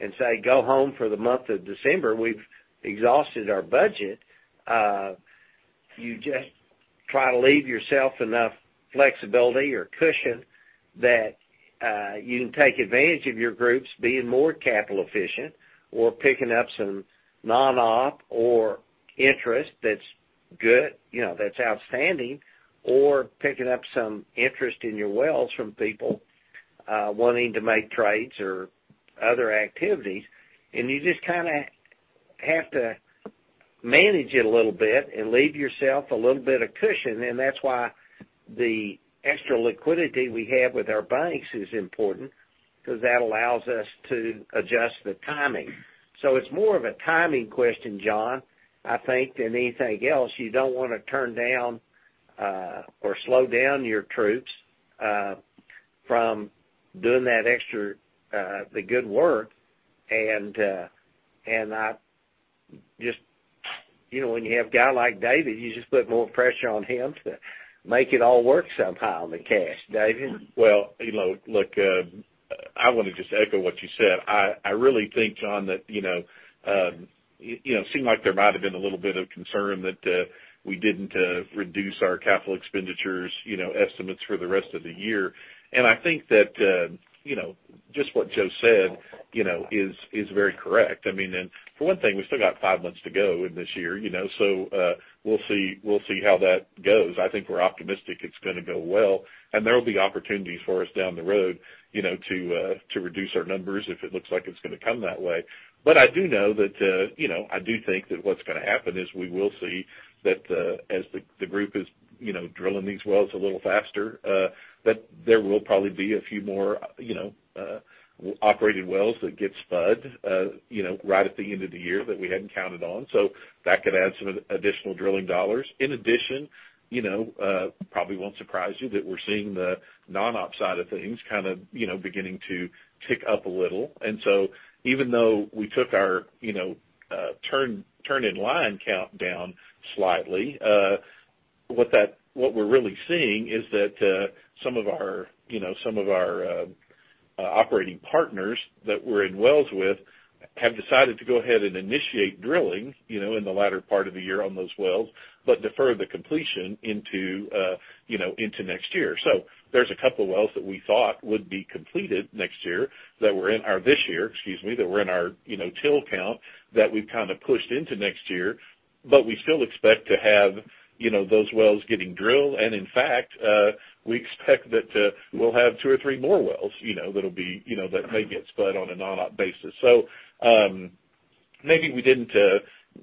and say, "Go home for the month of December. We've exhausted our budget." You just try to leave yourself enough flexibility or cushion that you can take advantage of your groups being more capital efficient or picking up some non-op or interest that's good, that's outstanding, or picking up some interest in your wells from people wanting to make trades or other activities. You just have to manage it a little bit and leave yourself a little bit of cushion. That's why the extra liquidity we have with our banks is important, because that allows us to adjust the timing. It's more of a timing question, John, I think, than anything else. You don't want to turn down or slow down your troops from doing the good work. When you have a guy like David, you just put more pressure on him to make it all work somehow in the cash. David? Well, look, I want to just echo what you said. I really think, John, that it seemed like there might have been a little bit of concern that we didn't reduce our capital expenditures estimates for the rest of the year. I think that just what Joe said is very correct. I mean, for one thing, we still got five months to go in this year, we'll see how that goes. I think we're optimistic it's going to go well, there'll be opportunities for us down the road to reduce our numbers if it looks like it's going to come that way. I do know that I do think that what's going to happen is we will see that as the group is drilling these wells a little faster, that there will probably be a few more operated wells that get spud right at the end of the year that we hadn't counted on. That could add some additional drilling dollars. In addition, probably won't surprise you that we're seeing the non-op side of things beginning to tick up a little. Even though we took our turn-in-line count down slightly, what we're really seeing is that some of our operating partners that we're in wells with have decided to go ahead and initiate drilling in the latter part of the year on those wells, but defer the completion into next year. There's a couple of wells that we thought would be completed next year that were in our this year, excuse me, that were in our drill count that we've kind of pushed into next year. We still expect to have those wells getting drilled. In fact, we expect that we'll have two or three more wells that may get spud on a non-op basis.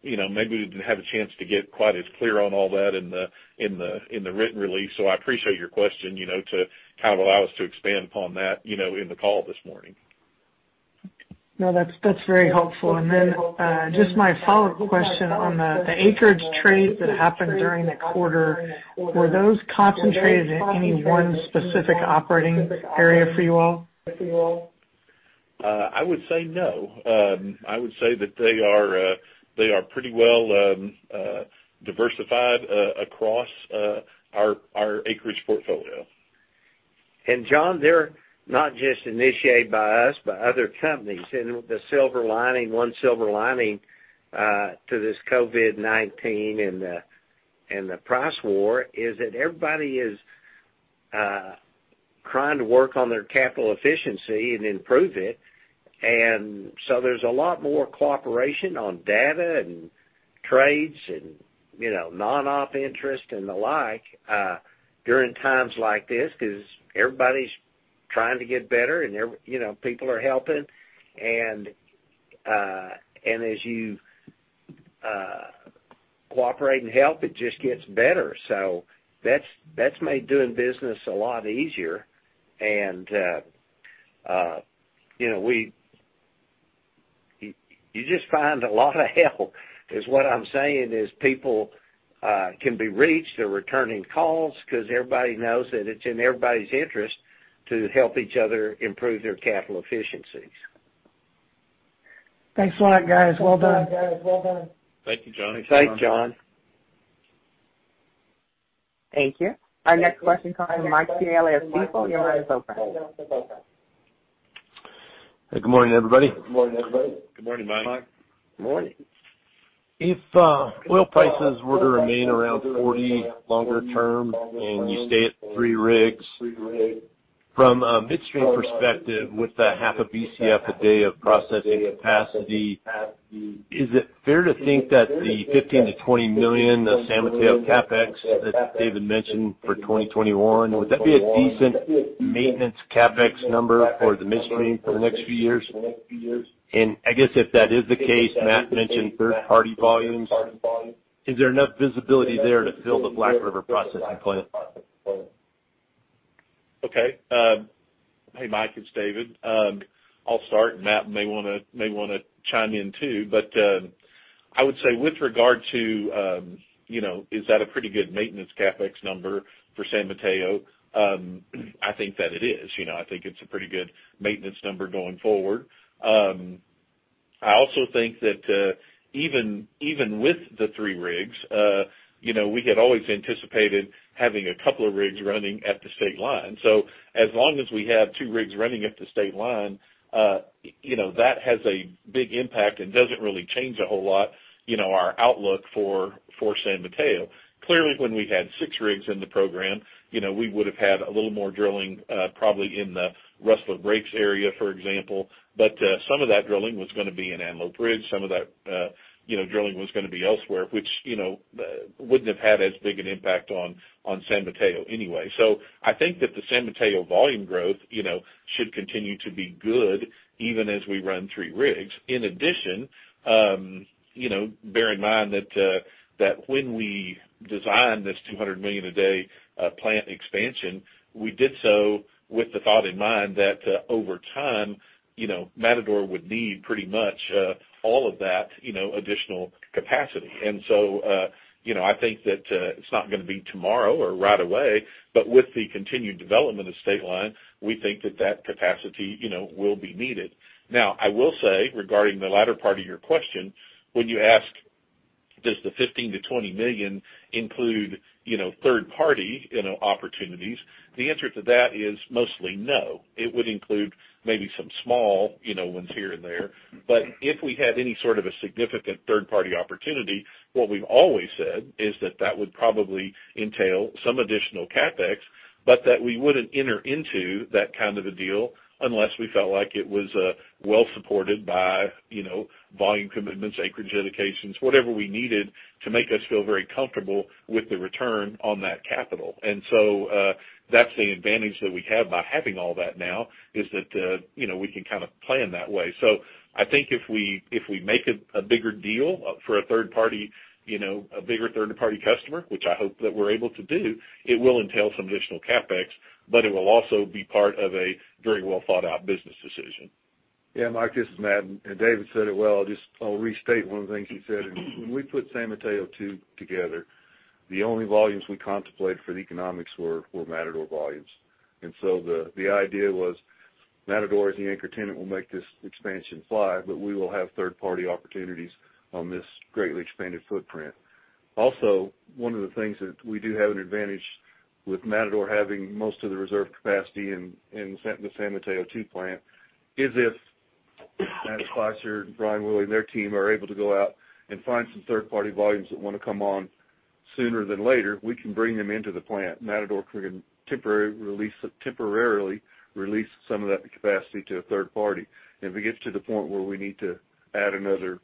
Maybe we didn't have a chance to get quite as clear on all that in the written release. I appreciate your question to allow us to expand upon that in the call this morning. No, that's very helpful. Just my follow-up question on the acreage trades that happened during the quarter. Were those concentrated in any one specific operating area for you all? I would say no. I would say that they are pretty well diversified across our acreage portfolio. John, they're not just initiated by us, by other companies. The one silver lining to this COVID-19 and the price war is that everybody is trying to work on their capital efficiency and improve it. There's a lot more cooperation on data and trades and non-op interest and the like during times like this because everybody's trying to get better, and people are helping. As you cooperate and help, it just gets better. That's made doing business a lot easier. You just find a lot of help, is what I'm saying, is people can be reached. They're returning calls because everybody knows that it's in everybody's interest to help each other improve their capital efficiencies. Thanks a lot, guys. Well done. Thank you, John. Thanks, John. Thank you. Our next question comes from Mike Scialla of Stifel. Your line is open. Good morning, everybody. Good morning. Good morning. If oil prices were to remain around 40 longer term, and you stay at three rigs, from a midstream perspective, with the half a BCF a day of processing capacity, is it fair to think that the $15 million-$20 million of San Mateo CapEx that David mentioned for 2021, would that be a decent maintenance CapEx number for the midstream for the next few years? I guess if that is the case, Matt mentioned third-party volumes. Is there enough visibility there to fill the Black River processing plant? Okay. Hey, Mike, it's David. I'll start, and Matt may want to chime in too. I would say with regard to, is that a pretty good maintenance CapEx number for San Mateo? I think that it is. I think it's a pretty good maintenance number going forward. I also think that even with the three rigs, we had always anticipated having a couple of rigs running at the Stateline. As long as we have two rigs running at the Stateline, that has a big impact and doesn't really change a whole lot our outlook for San Mateo. Clearly, when we had six rigs in the program, we would've had a little more drilling, probably in the Rustler Breaks area, for example. Some of that drilling was going to be in Antelope Ridge, some of that drilling was going to be elsewhere, which wouldn't have had as big an impact on San Mateo anyway. I think that the San Mateo volume growth should continue to be good even as we run three rigs. In addition, bear in mind that when we designed this $200 million a day plant expansion, we did so with the thought in mind that over time, Matador would need pretty much all of that additional capacity. I think that it's not going to be tomorrow or right away, but with the continued development of Stateline, we think that that capacity will be needed. Now, I will say, regarding the latter part of your question, when you ask does the $15 million-$20 million include third-party opportunities, the answer to that is mostly no. It would include maybe some small ones here and there. If we had any sort of a significant third-party opportunity, what we've always said is that that would probably entail some additional CapEx, but that we wouldn't enter into that kind of a deal unless we felt like it was well-supported by volume commitments, acreage allocations, whatever we needed to make us feel very comfortable with the return on that capital. That's the advantage that we have by having all that now, is that we can kind of plan that way. I think if we make a bigger deal for a bigger third-party customer, which I hope that we're able to do, it will entail some additional CapEx, but it will also be part of a very well-thought-out business decision. Yeah, Mike, this is Matt. David said it well. I'll restate one of the things he said. When we put San Mateo II together, the only volumes we contemplated for the economics were Matador volumes. The idea was Matador as the anchor tenant will make this expansion fly, but we will have third-party opportunities on this greatly expanded footprint. One of the things that we do have an advantage with Matador having most of the reserve capacity in the San Mateo II plant is if Matt Spicer and Brian Willey and their team are able to go out and find some third-party volumes that want to come on sooner than later, we can bring them into the plant. Matador can temporarily release some of that capacity to a third party. If it gets to the point where we need to add another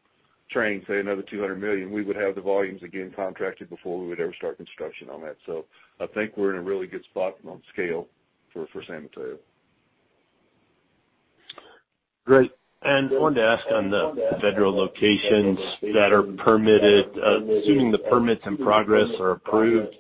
train, say another $200 million, we would have the volumes again contracted before we would ever start construction on that. I think we're in a really good spot on scale for San Mateo. Great. I wanted to ask on the federal locations that are permitted, assuming the permits in progress are approved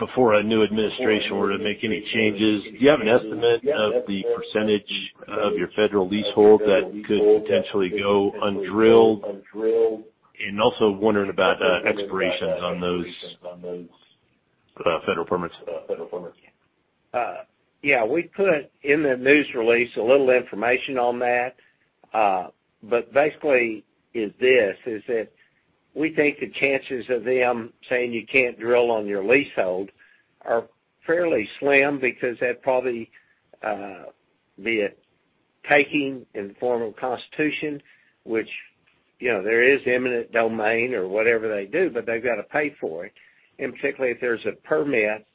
before a new administration were to make any changes, do you have an estimate of the percentage of your federal leasehold that could potentially go undrilled? I am also wondering about expirations on those federal permits. We put in the news release a little information on that. Basically is this, is that we think the chances of them saying you can't drill on your leasehold are fairly slim because that'd probably be a taking in the form of Constitution, which there is eminent domain or whatever they do, but they've got to pay for it. Particularly if there's a permit,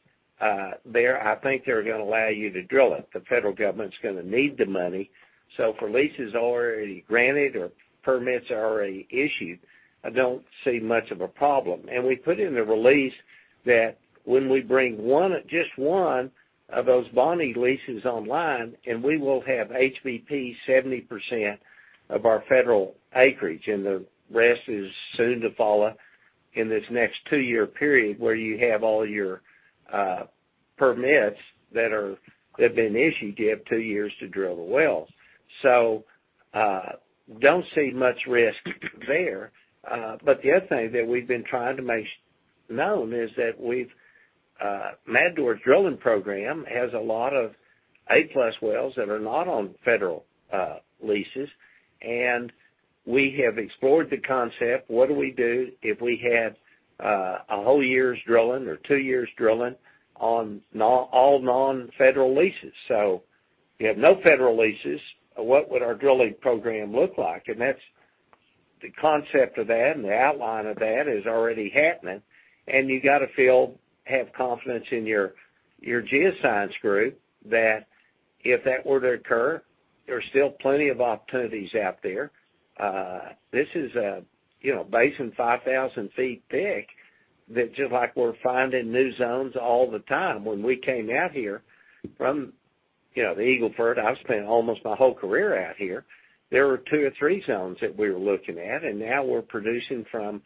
I think they're going to allow you to drill it. The federal government's going to need the money. For leases already granted or permits already issued, I don't see much of a problem. We put in the release that when we bring just one of those Voni leases online, we will have HBP 70% of our federal acreage, and the rest is soon to follow in this next two-year period where you have all your permits that have been issued, you have two years to drill the wells. Don't see much risk there. The other thing that we've been trying to make known is that Matador's drilling program has a lot of A+ wells that are not on federal leases, and we have explored the concept, what do we do if we had a whole year's drilling or two years' drilling on all non-federal leases? You have no federal leases, what would our drilling program look like? The concept of that and the outline of that is already happening, and you got to feel, have confidence in your geoscience group that if that were to occur, there's still plenty of opportunities out there. This is a basin 5,000 ft thick that just like we're finding new zones all the time. When we came out here from the Eagle Ford, I've spent almost my whole career out here. There were two or three zones that we were looking at, and now we're producing from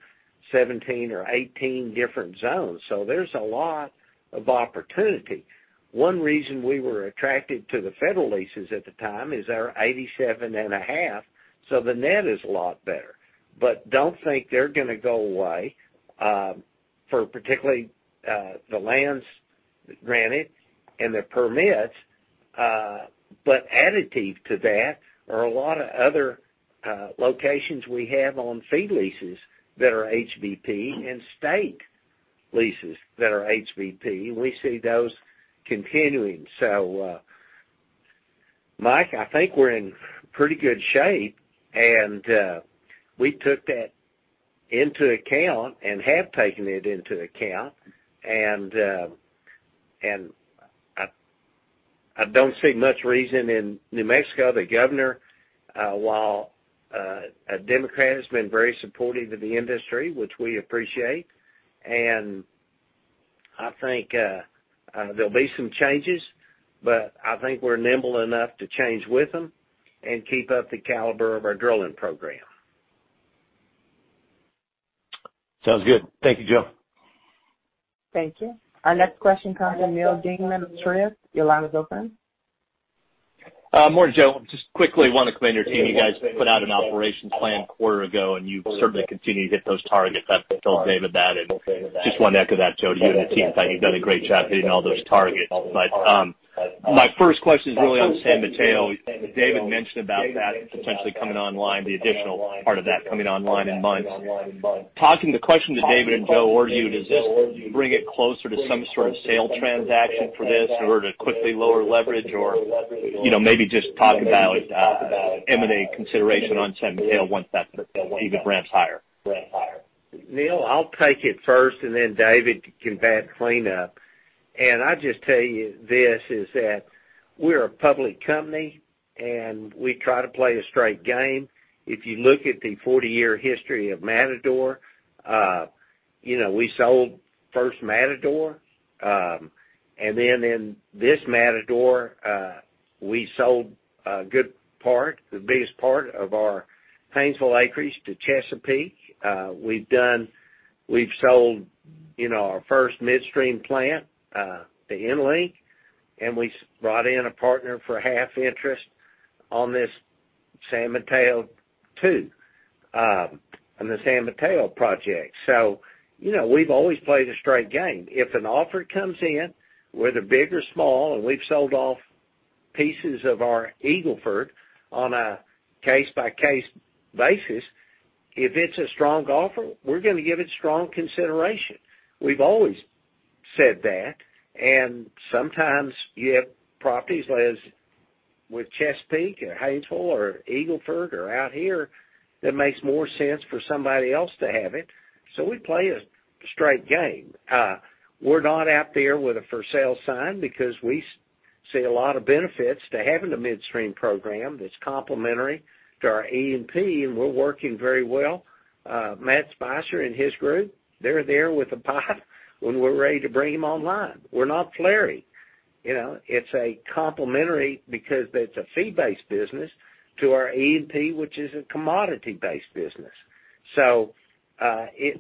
17 or 18 different zones. There's a lot of opportunity. One reason we were attracted to the federal leases at the time is they were 87.5, so the net is a lot better. Don't think they're going to go away, for particularly the lands granted and the permits. Additive to that are a lot of other locations we have on fee leases that are HBP and state leases that are HBP, and we see those continuing. Mike, I think we're in pretty good shape, and we took that into account and have taken it into account. I don't see much reason in New Mexico. The governor, while a Democrat, has been very supportive of the industry, which we appreciate. I think there'll be some changes, but I think we're nimble enough to change with them and keep up the caliber of our drilling program. Sounds good. Thank you, Joe. Thank you. Our next question comes from Neal Dingmann of Truist. Your line is open. Morning, Joe. Just quickly want to commend your team. You guys put out an operations plan a quarter ago, and you've certainly continued to hit those targets. I've told David that, and just want to echo that, Joe, to you and the team that you've done a great job hitting all those targets. My first question is really on San Mateo. David mentioned about that potentially coming online, the additional part of that coming online in months. The question to David and Joe or you, does this bring it closer to some sort of sale transaction for this in order to quickly lower leverage or, maybe just talk about M&A consideration on San Mateo once that either ramps higher? Neal, I'll take it first, and then David can clean up. I just tell you this, is that we're a public company, and we try to play a straight game. If you look at the 40-year history of Matador, we sold first Matador. Then in this Matador, we sold a good part, the biggest part of our Haynesville acreage to Chesapeake. We've sold our first midstream plant, the EnLink, and we brought in a partner for half interest on this San Mateo II, on the San Mateo project. We've always played a straight game. If an offer comes in, whether big or small, and we've sold off pieces of our Eagle Ford on a case-by-case basis, if it's a strong offer, we're going to give it strong consideration. We've always said that. Sometimes you have properties as with Chesapeake or Haynesville or Eagle Ford or out here, that makes more sense for somebody else to have it. We play a straight game. We're not out there with a for sale sign because we see a lot of benefits to having a midstream program that's complementary to our E&P, and we're working very well. Matt Spicer and his group, they're there with a pot when we're ready to bring him online. We're not flaring. It's a complementary because that's a fee-based business to our E&P, which is a commodity-based business.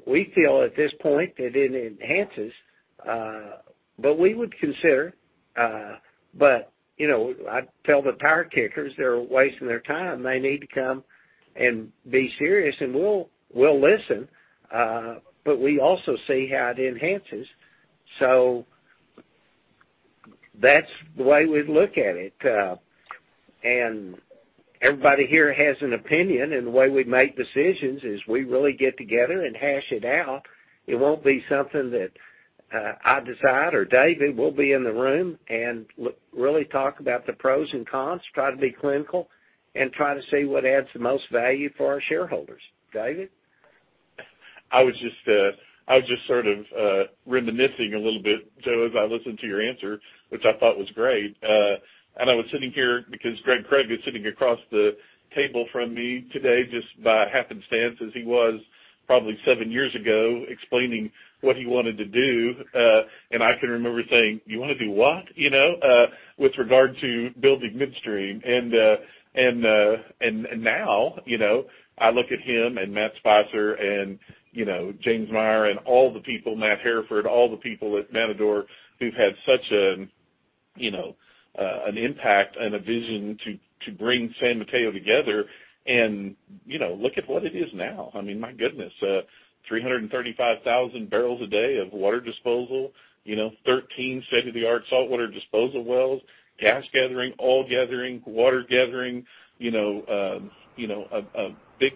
We feel at this point that it enhances, but we would consider. I tell the tire kickers they're wasting their time. They need to come and be serious, and we'll listen. We also see how it enhances. That's the way we look at it. Everybody here has an opinion, and the way we make decisions is we really get together and hash it out. It won't be something that I decide or David. We'll be in the room and really talk about the pros and cons, try to be clinical, and try to see what adds the most value for our shareholders. David? I was just sort of reminiscing a little bit, Joe, as I listened to your answer, which I thought was great. I was sitting here because Gregg Krug is sitting across the table from me today just by happenstance, as he was probably seven years ago, explaining what he wanted to do. I can remember saying, "You want to do what?" With regard to building midstream. Now I look at him and Matt Spicer and James Meier and all the people, Matt Hairford, all the people at Matador who've had such an impact and a vision to bring San Mateo together, and look at what it is now. I mean, my goodness, 335,000 barrels a day of water disposal, 13 state-of-the-art saltwater disposal wells, gas gathering, oil gathering, water gathering, a big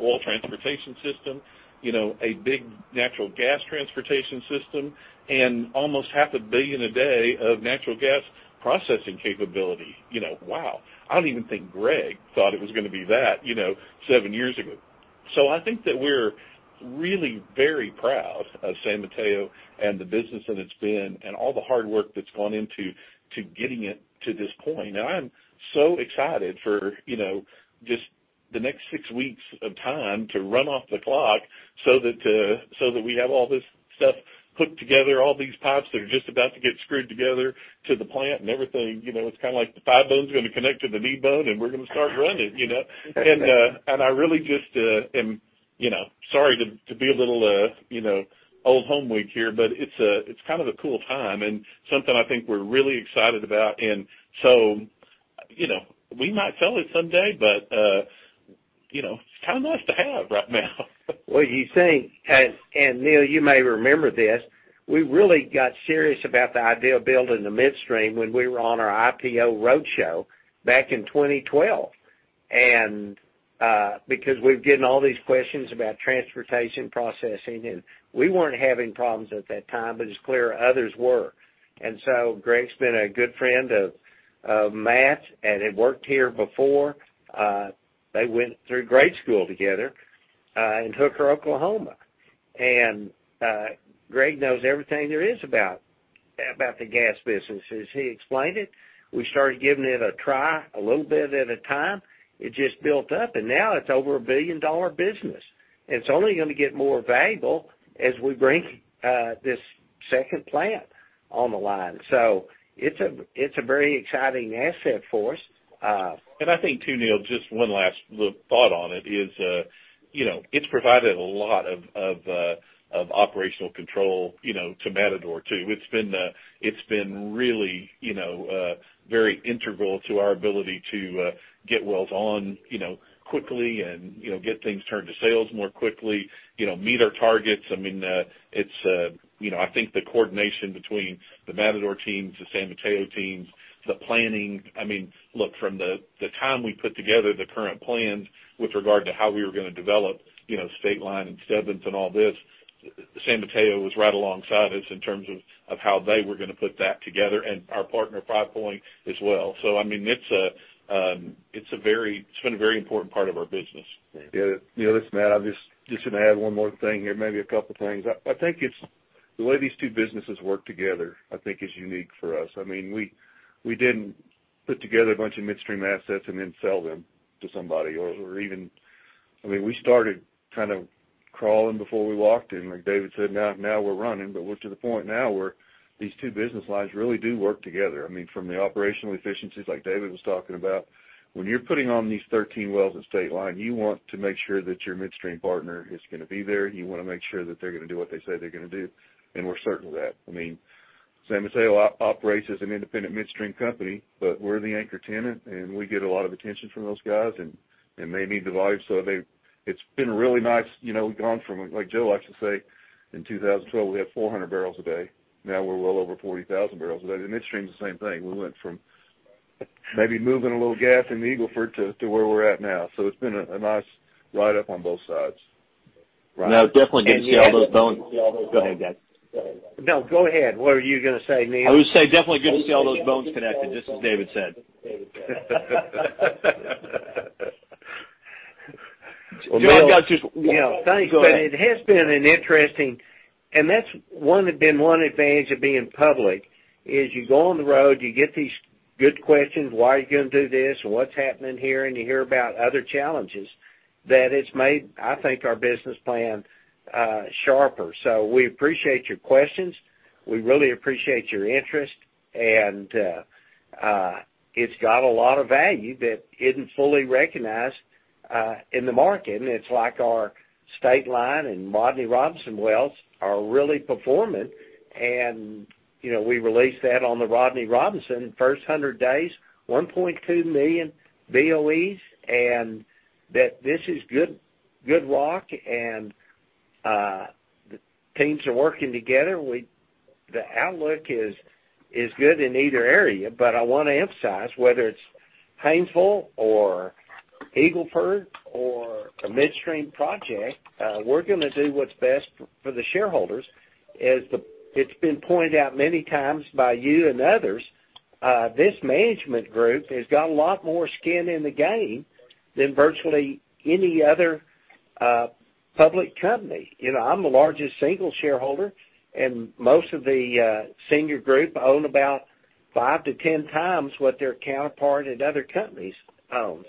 oil transportation system, a big natural gas transportation system, and almost half a billion a day of natural gas processing capability. Wow. I don't even think Gregg thought it was going to be that seven years ago. I think that we're really very proud of San Mateo and the business that it's been and all the hard work that's gone into getting it to this point. I am so excited for just the next six weeks of time to run off the clock so that we have all this stuff put together, all these pipes that are just about to get screwed together to the plant and everything. It's kind of like the thigh bone's going to connect to the knee bone, and we're going to start running. I really just am sorry to be a little old home week here, but it's kind of a cool time, and something I think we're really excited about. We might sell it someday, but it's kind of nice to have right now. Well, you think, Neal, you may remember this, we really got serious about the idea of building the midstream when we were on our IPO roadshow back in 2012. Because we've gotten all these questions about transportation processing, and we weren't having problems at that time, but it's clear others were. Gregg's been a good friend of Matt and had worked here before. They went through grade school together in Hooker, Oklahoma. Gregg knows everything there is about the gas businesses. He explained it. We started giving it a try a little bit at a time. It just built up, and now it's over a billion-dollar business. It's only going to get more valuable as we bring this second plant on the line. It's a very exciting asset for us. I think too, Neal, just one last little thought on it is, it's provided a lot of operational control to Matador too. It's been really very integral to our ability to get wells on quickly and get things turned to sales more quickly, meet our targets. I think the coordination between the Matador teams, the San Mateo teams, the planning, from the time we put together the current plans with regard to how we were going to develop Stateline and Stebbins and all this, San Mateo was right alongside us in terms of how they were going to put that together, and our partner Five Point as well. It's been a very important part of our business. Yeah. Neal, listen, Matt, I'm just going to add one more thing here, maybe a couple of things. I think it's the way these two businesses work together, I think is unique for us. We didn't put together a bunch of midstream assets and then sell them to somebody. We started kind of crawling before we walked, and like David said, now we're running, but we're to the point now where these two business lines really do work together. From the operational efficiencies like David was talking about. When you're putting on these 13 wells at Stateline, you want to make sure that your midstream partner is going to be there. You want to make sure that they're going to do what they say they're going to do. We're certain of that. San Mateo operates as an independent midstream company, but we're the anchor tenant, and we get a lot of attention from those guys, and they need the volume. It's been really nice. We've gone from, like Joe likes to say, in 2012, we had 400 barrels a day. Now we're well over 40,000 barrels a day. The midstream's the same thing. We went from maybe moving a little gas in Eagle Ford to where we're at now. It's been a nice ride up on both sides. Right. No, definitely good to see all those bones. Go ahead, guys. No, go ahead. What are you going to say, Neal? I would say definitely good to see all those bones connected, just as David said. Well, Neal. Joe, I've got Yeah, thanks. Go ahead. It has been interesting, and that's been one advantage of being public, is you go on the road, you get these good questions. Why are you going to do this? What's happening here? You hear about other challenges that it's made, I think, our business plan sharper. We appreciate your questions. We really appreciate your interest, and it's got a lot of value that isn't fully recognized in the market. It's like our Stateline and Rodney Robinson wells are really performing, and we released that on the Rodney Robinson first 100 days, 1.2 million BOEs, and that this is good rock, and the teams are working together. The outlook is good in either area. I want to emphasize whether it's Haynesville or Eagle Ford or a midstream project, we're going to do what's best for the shareholders. As it's been pointed out many times by you and others, this management group has got a lot more skin in the game than virtually any other public company. I'm the largest single shareholder, and most of the senior group own about 5-10 times what their counterpart at other companies own.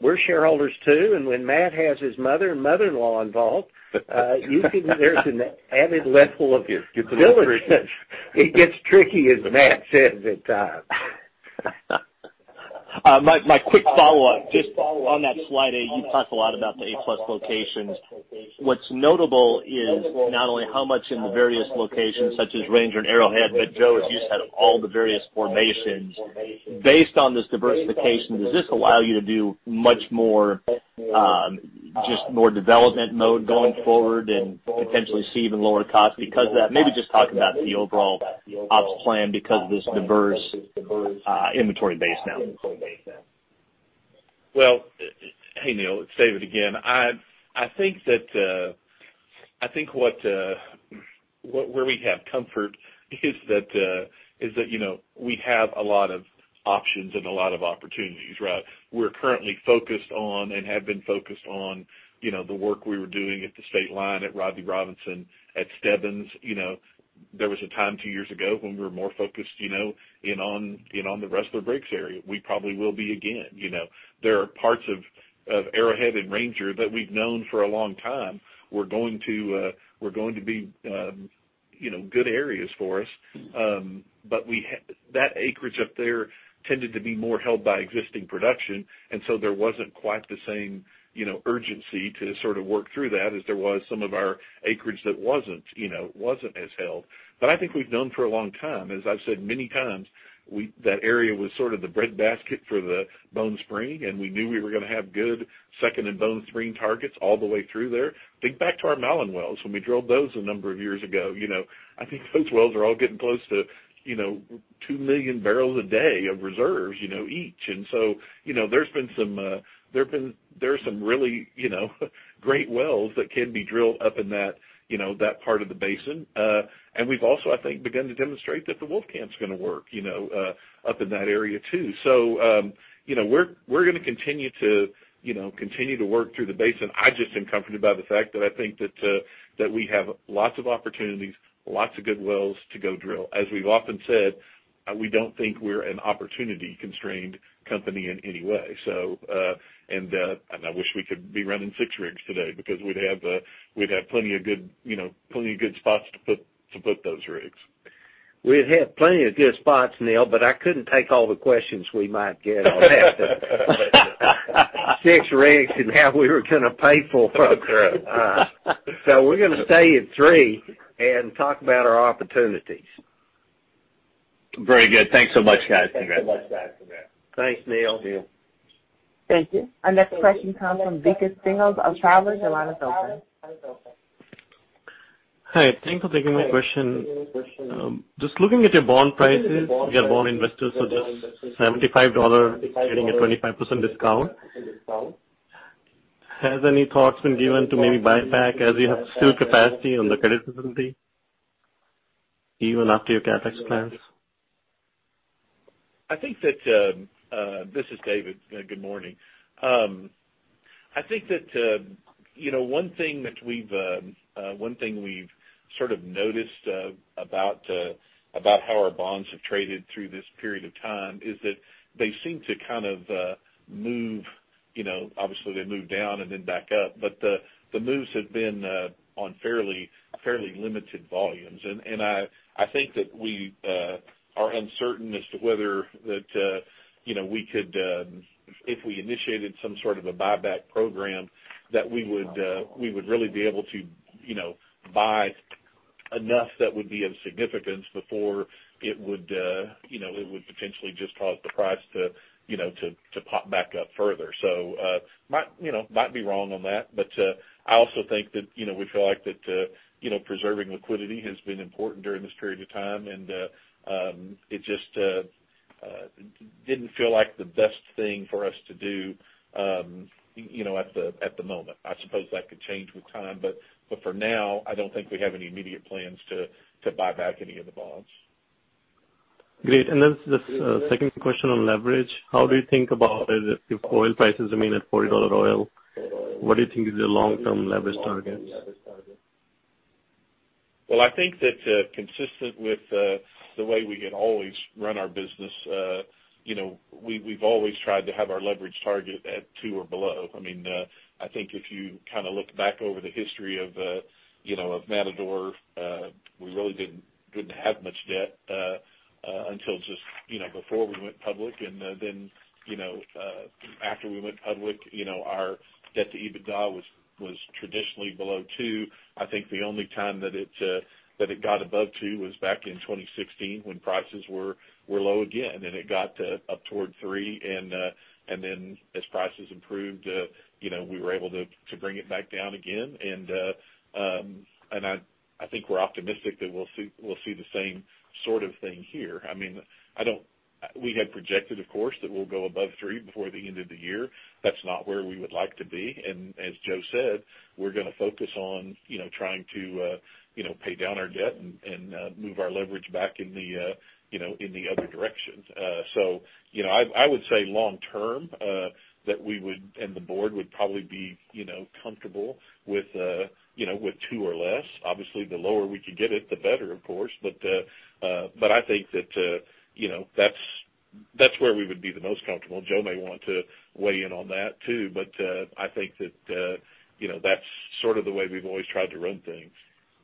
We're shareholders too, and when Matt has his mother and mother-in-law involved, there's an added level of diligence. It gets tricky, as Matt says, at times. My quick follow-up, just on that slide, you talked a lot about the A+ locations. What's notable is not only how much in the various locations, such as Ranger and Arrowhead, but Joe, as you said, all the various formations. Based on this diversification, does this allow you to do much more development mode going forward and potentially see even lower costs because of that? Maybe just talk about the overall ops plan because of this diverse inventory base now. Well, hey, Neal, it's David again. I think where we have comfort is that we have a lot of options and a lot of opportunities. We're currently focused on and have been focused on the work we were doing at the Stateline, at Rodney Robinson, at Stebbins. There was a time two years ago when we were more focused in on the Rustler Breaks area. We probably will be again. There are parts of Arrowhead and Ranger that we've known for a long time were going to be good areas for us. That acreage up there tended to be more held by existing production, and so there wasn't quite the same urgency to work through that as there was some of our acreage that wasn't as held. I think we've known for a long time, as I've said many times, that area was sort of the breadbasket for the Bone Spring, and we knew we were going to have good second and Bone Spring targets all the way through there. Think back to our Mallon wells when we drilled those a number of years ago. I think those wells are all getting close to 2 million barrels a day of reserves each. There are some really great wells that can be drilled up in that part of the basin. We've also, I think, begun to demonstrate that the Wolfcamp's going to work up in that area, too. We're going to continue to work through the basin. I've just been comforted by the fact that I think that we have lots of opportunities, lots of good wells to go drill. As we've often said, we don't think we're an opportunity-constrained company in any way. I wish we could be running six rigs today because we'd have plenty of good spots to put those rigs. We'd have plenty of good spots, Neal, but I couldn't take all the questions we might get on that. Six rigs and how we were going to pay for them. True. We're going to stay at three and talk about our opportunities. Very good. Thanks so much, guys. Congrats. Thanks, Neal. Neal. Thank you. Our next question comes from Vikas Singhal of Travelers. Your line is open. Hi, thanks for taking my question. Looking at your bond prices, your bond investors suggest $75, getting a 25% discount. Has any thoughts been given to maybe buyback as you have still capacity on the credit facility even after your CapEx plans? This is David. Good morning. I think that one thing we've sort of noticed about how our bonds have traded through this period of time is that they seem to kind of move. Obviously, they move down and then back up, but the moves have been on fairly limited volumes. I think that we are uncertain as to whether that if we initiated some sort of a buyback program, that we would really be able to buy enough that would be of significance before it would potentially just cause the price to pop back up further. Might be wrong on that, but I also think that we feel like that preserving liquidity has been important during this period of time, and it just didn't feel like the best thing for us to do at the moment. I suppose that could change with time, but for now, I don't think we have any immediate plans to buy back any of the bonds. Great. The second question on leverage. How do you think about it if oil prices remain at $40 oil? What do you think is your long-term leverage targets? Well, I think that consistent with the way we had always run our business, we've always tried to have our leverage target at two or below. I think if you look back over the history of Matador, we really didn't have much debt until just before we went public. After we went public, our debt to EBITDA was traditionally below two. I think the only time that it got above two was back in 2016 when prices were low again, and it got up toward three. As prices improved, we were able to bring it back down again. I think we're optimistic that we'll see the same sort of thing here. We had projected, of course, that we'll go above three before the end of the year. That's not where we would like to be. As Joe said, we're going to focus on trying to pay down our debt and move our leverage back in the other direction. I would say long term, that we would, and the board would probably be comfortable with two or less. Obviously, the lower we could get it, the better, of course. I think that's where we would be the most comfortable. Joe may want to weigh in on that too. I think that's sort of the way we've always tried to run things.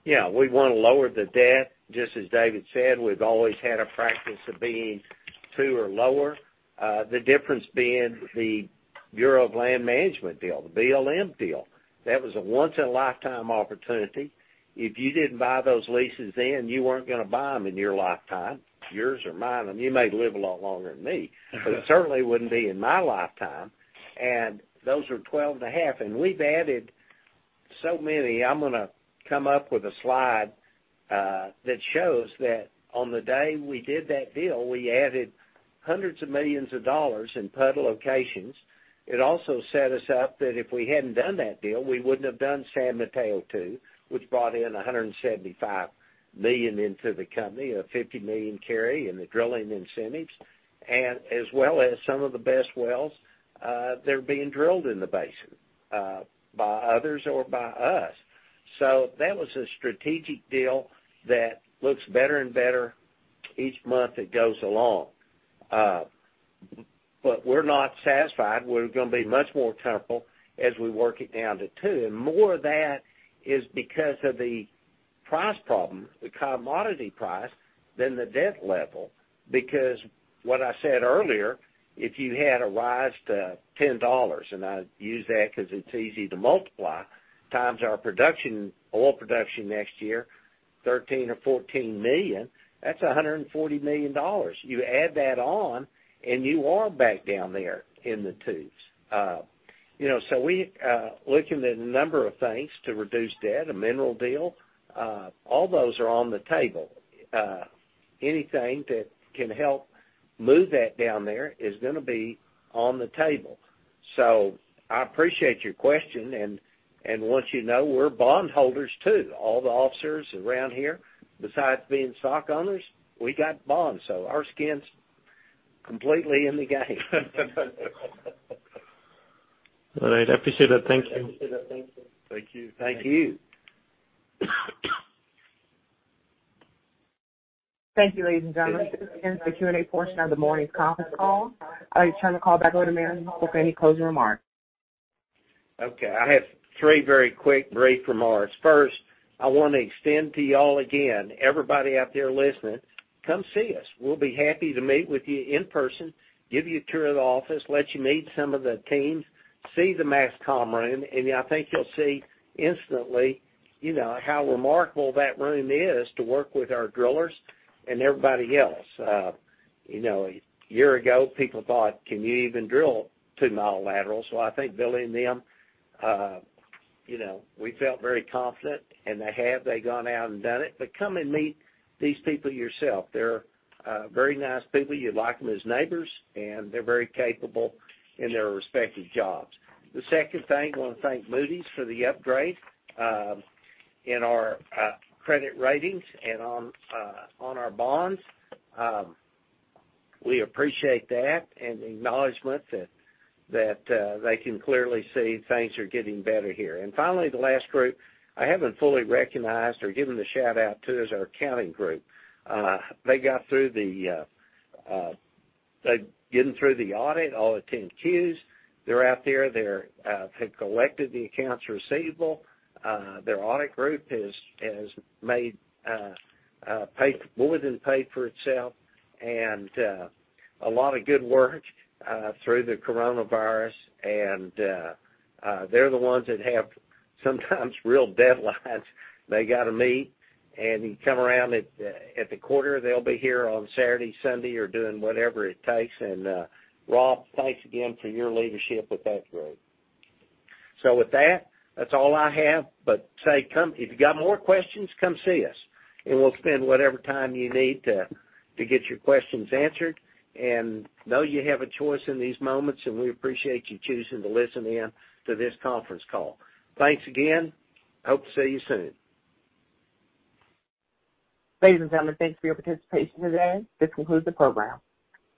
Yeah, we want to lower the debt. Just as David said, we've always had a practice of being two or lower. The difference being the Bureau of Land Management deal, the BLM deal. That was a once-in-a-lifetime opportunity. If you didn't buy those leases then, you weren't going to buy them in your lifetime, yours or mine. You may live a lot longer than me. It certainly wouldn't be in my lifetime. Those are 12 and a half, and we've added so many. I'm going to come up with a slide that shows that on the day we did that deal, we added hundreds of millions of dollars in PUD locations. It also set us up that if we hadn't done that deal, we wouldn't have done San Mateo II, which brought in $175 million into the company, a $50 million carry in the drilling incentives, and as well as some of the best wells that are being drilled in the basin. By others or by us. That was a strategic deal that looks better and better each month it goes along. We're not satisfied. We're going to be much more careful as we work it down to two, and more of that is because of the price problem, the commodity price, than the debt level. What I said earlier, if you had a rise to $10, and I use that because it's easy to multiply, times our oil production next year, 13 or 14 million, that's $140 million. You add that on, and you are back down there in the twos. We're looking at a number of things to reduce debt, a mineral deal. All those are on the table. Anything that can help move that down there is going to be on the table. I appreciate your question, and want you to know we're bondholders too. All the officers around here, besides being stock owners, we got bonds, so our skin's completely in the game. All right. I appreciate it. Thank you. Thank you. Thank you. Thank you, ladies and gentlemen. This concludes the Q&A portion of the morning's conference call. I return the call back over to management with any closing remarks. Okay. I have three very quick brief remarks. I want to extend to you all again, everybody out there listening, come see us. We'll be happy to meet with you in person, give you a tour of the office, let you meet some of the teams, see the MAXCOM room. I think you'll see instantly how remarkable that room is to work with our drillers and everybody else. A year ago, people thought, "Can you even drill 2-mi laterals?" I think Billy and them, we felt very confident. They have. They've gone out and done it. Come and meet these people yourself. They're very nice people. You'd like them as neighbors. They're very capable in their respective jobs. The second thing, I want to thank Moody's for the upgrade in our credit ratings and on our bonds. We appreciate that, the acknowledgment that they can clearly see things are getting better here. Finally, the last group I haven't fully recognized or given the shout-out to is our accounting group. They're getting through the audit, all the 10-Qs. They're out there. They've collected the accounts receivable. Their audit group has more than paid for itself, and a lot of good work through the coronavirus, and they're the ones that have sometimes real deadlines they got to meet. You come around at the quarter, they'll be here on Saturday, Sunday, or doing whatever it takes, Rob, thanks again for your leadership with that group. With that's all I have. Say, if you've got more questions, come see us, and we'll spend whatever time you need to get your questions answered. Know you have a choice in these moments, and we appreciate you choosing to listen in to this conference call. Thanks again. Hope to see you soon. Ladies and gentlemen, thanks for your participation today. This concludes the program.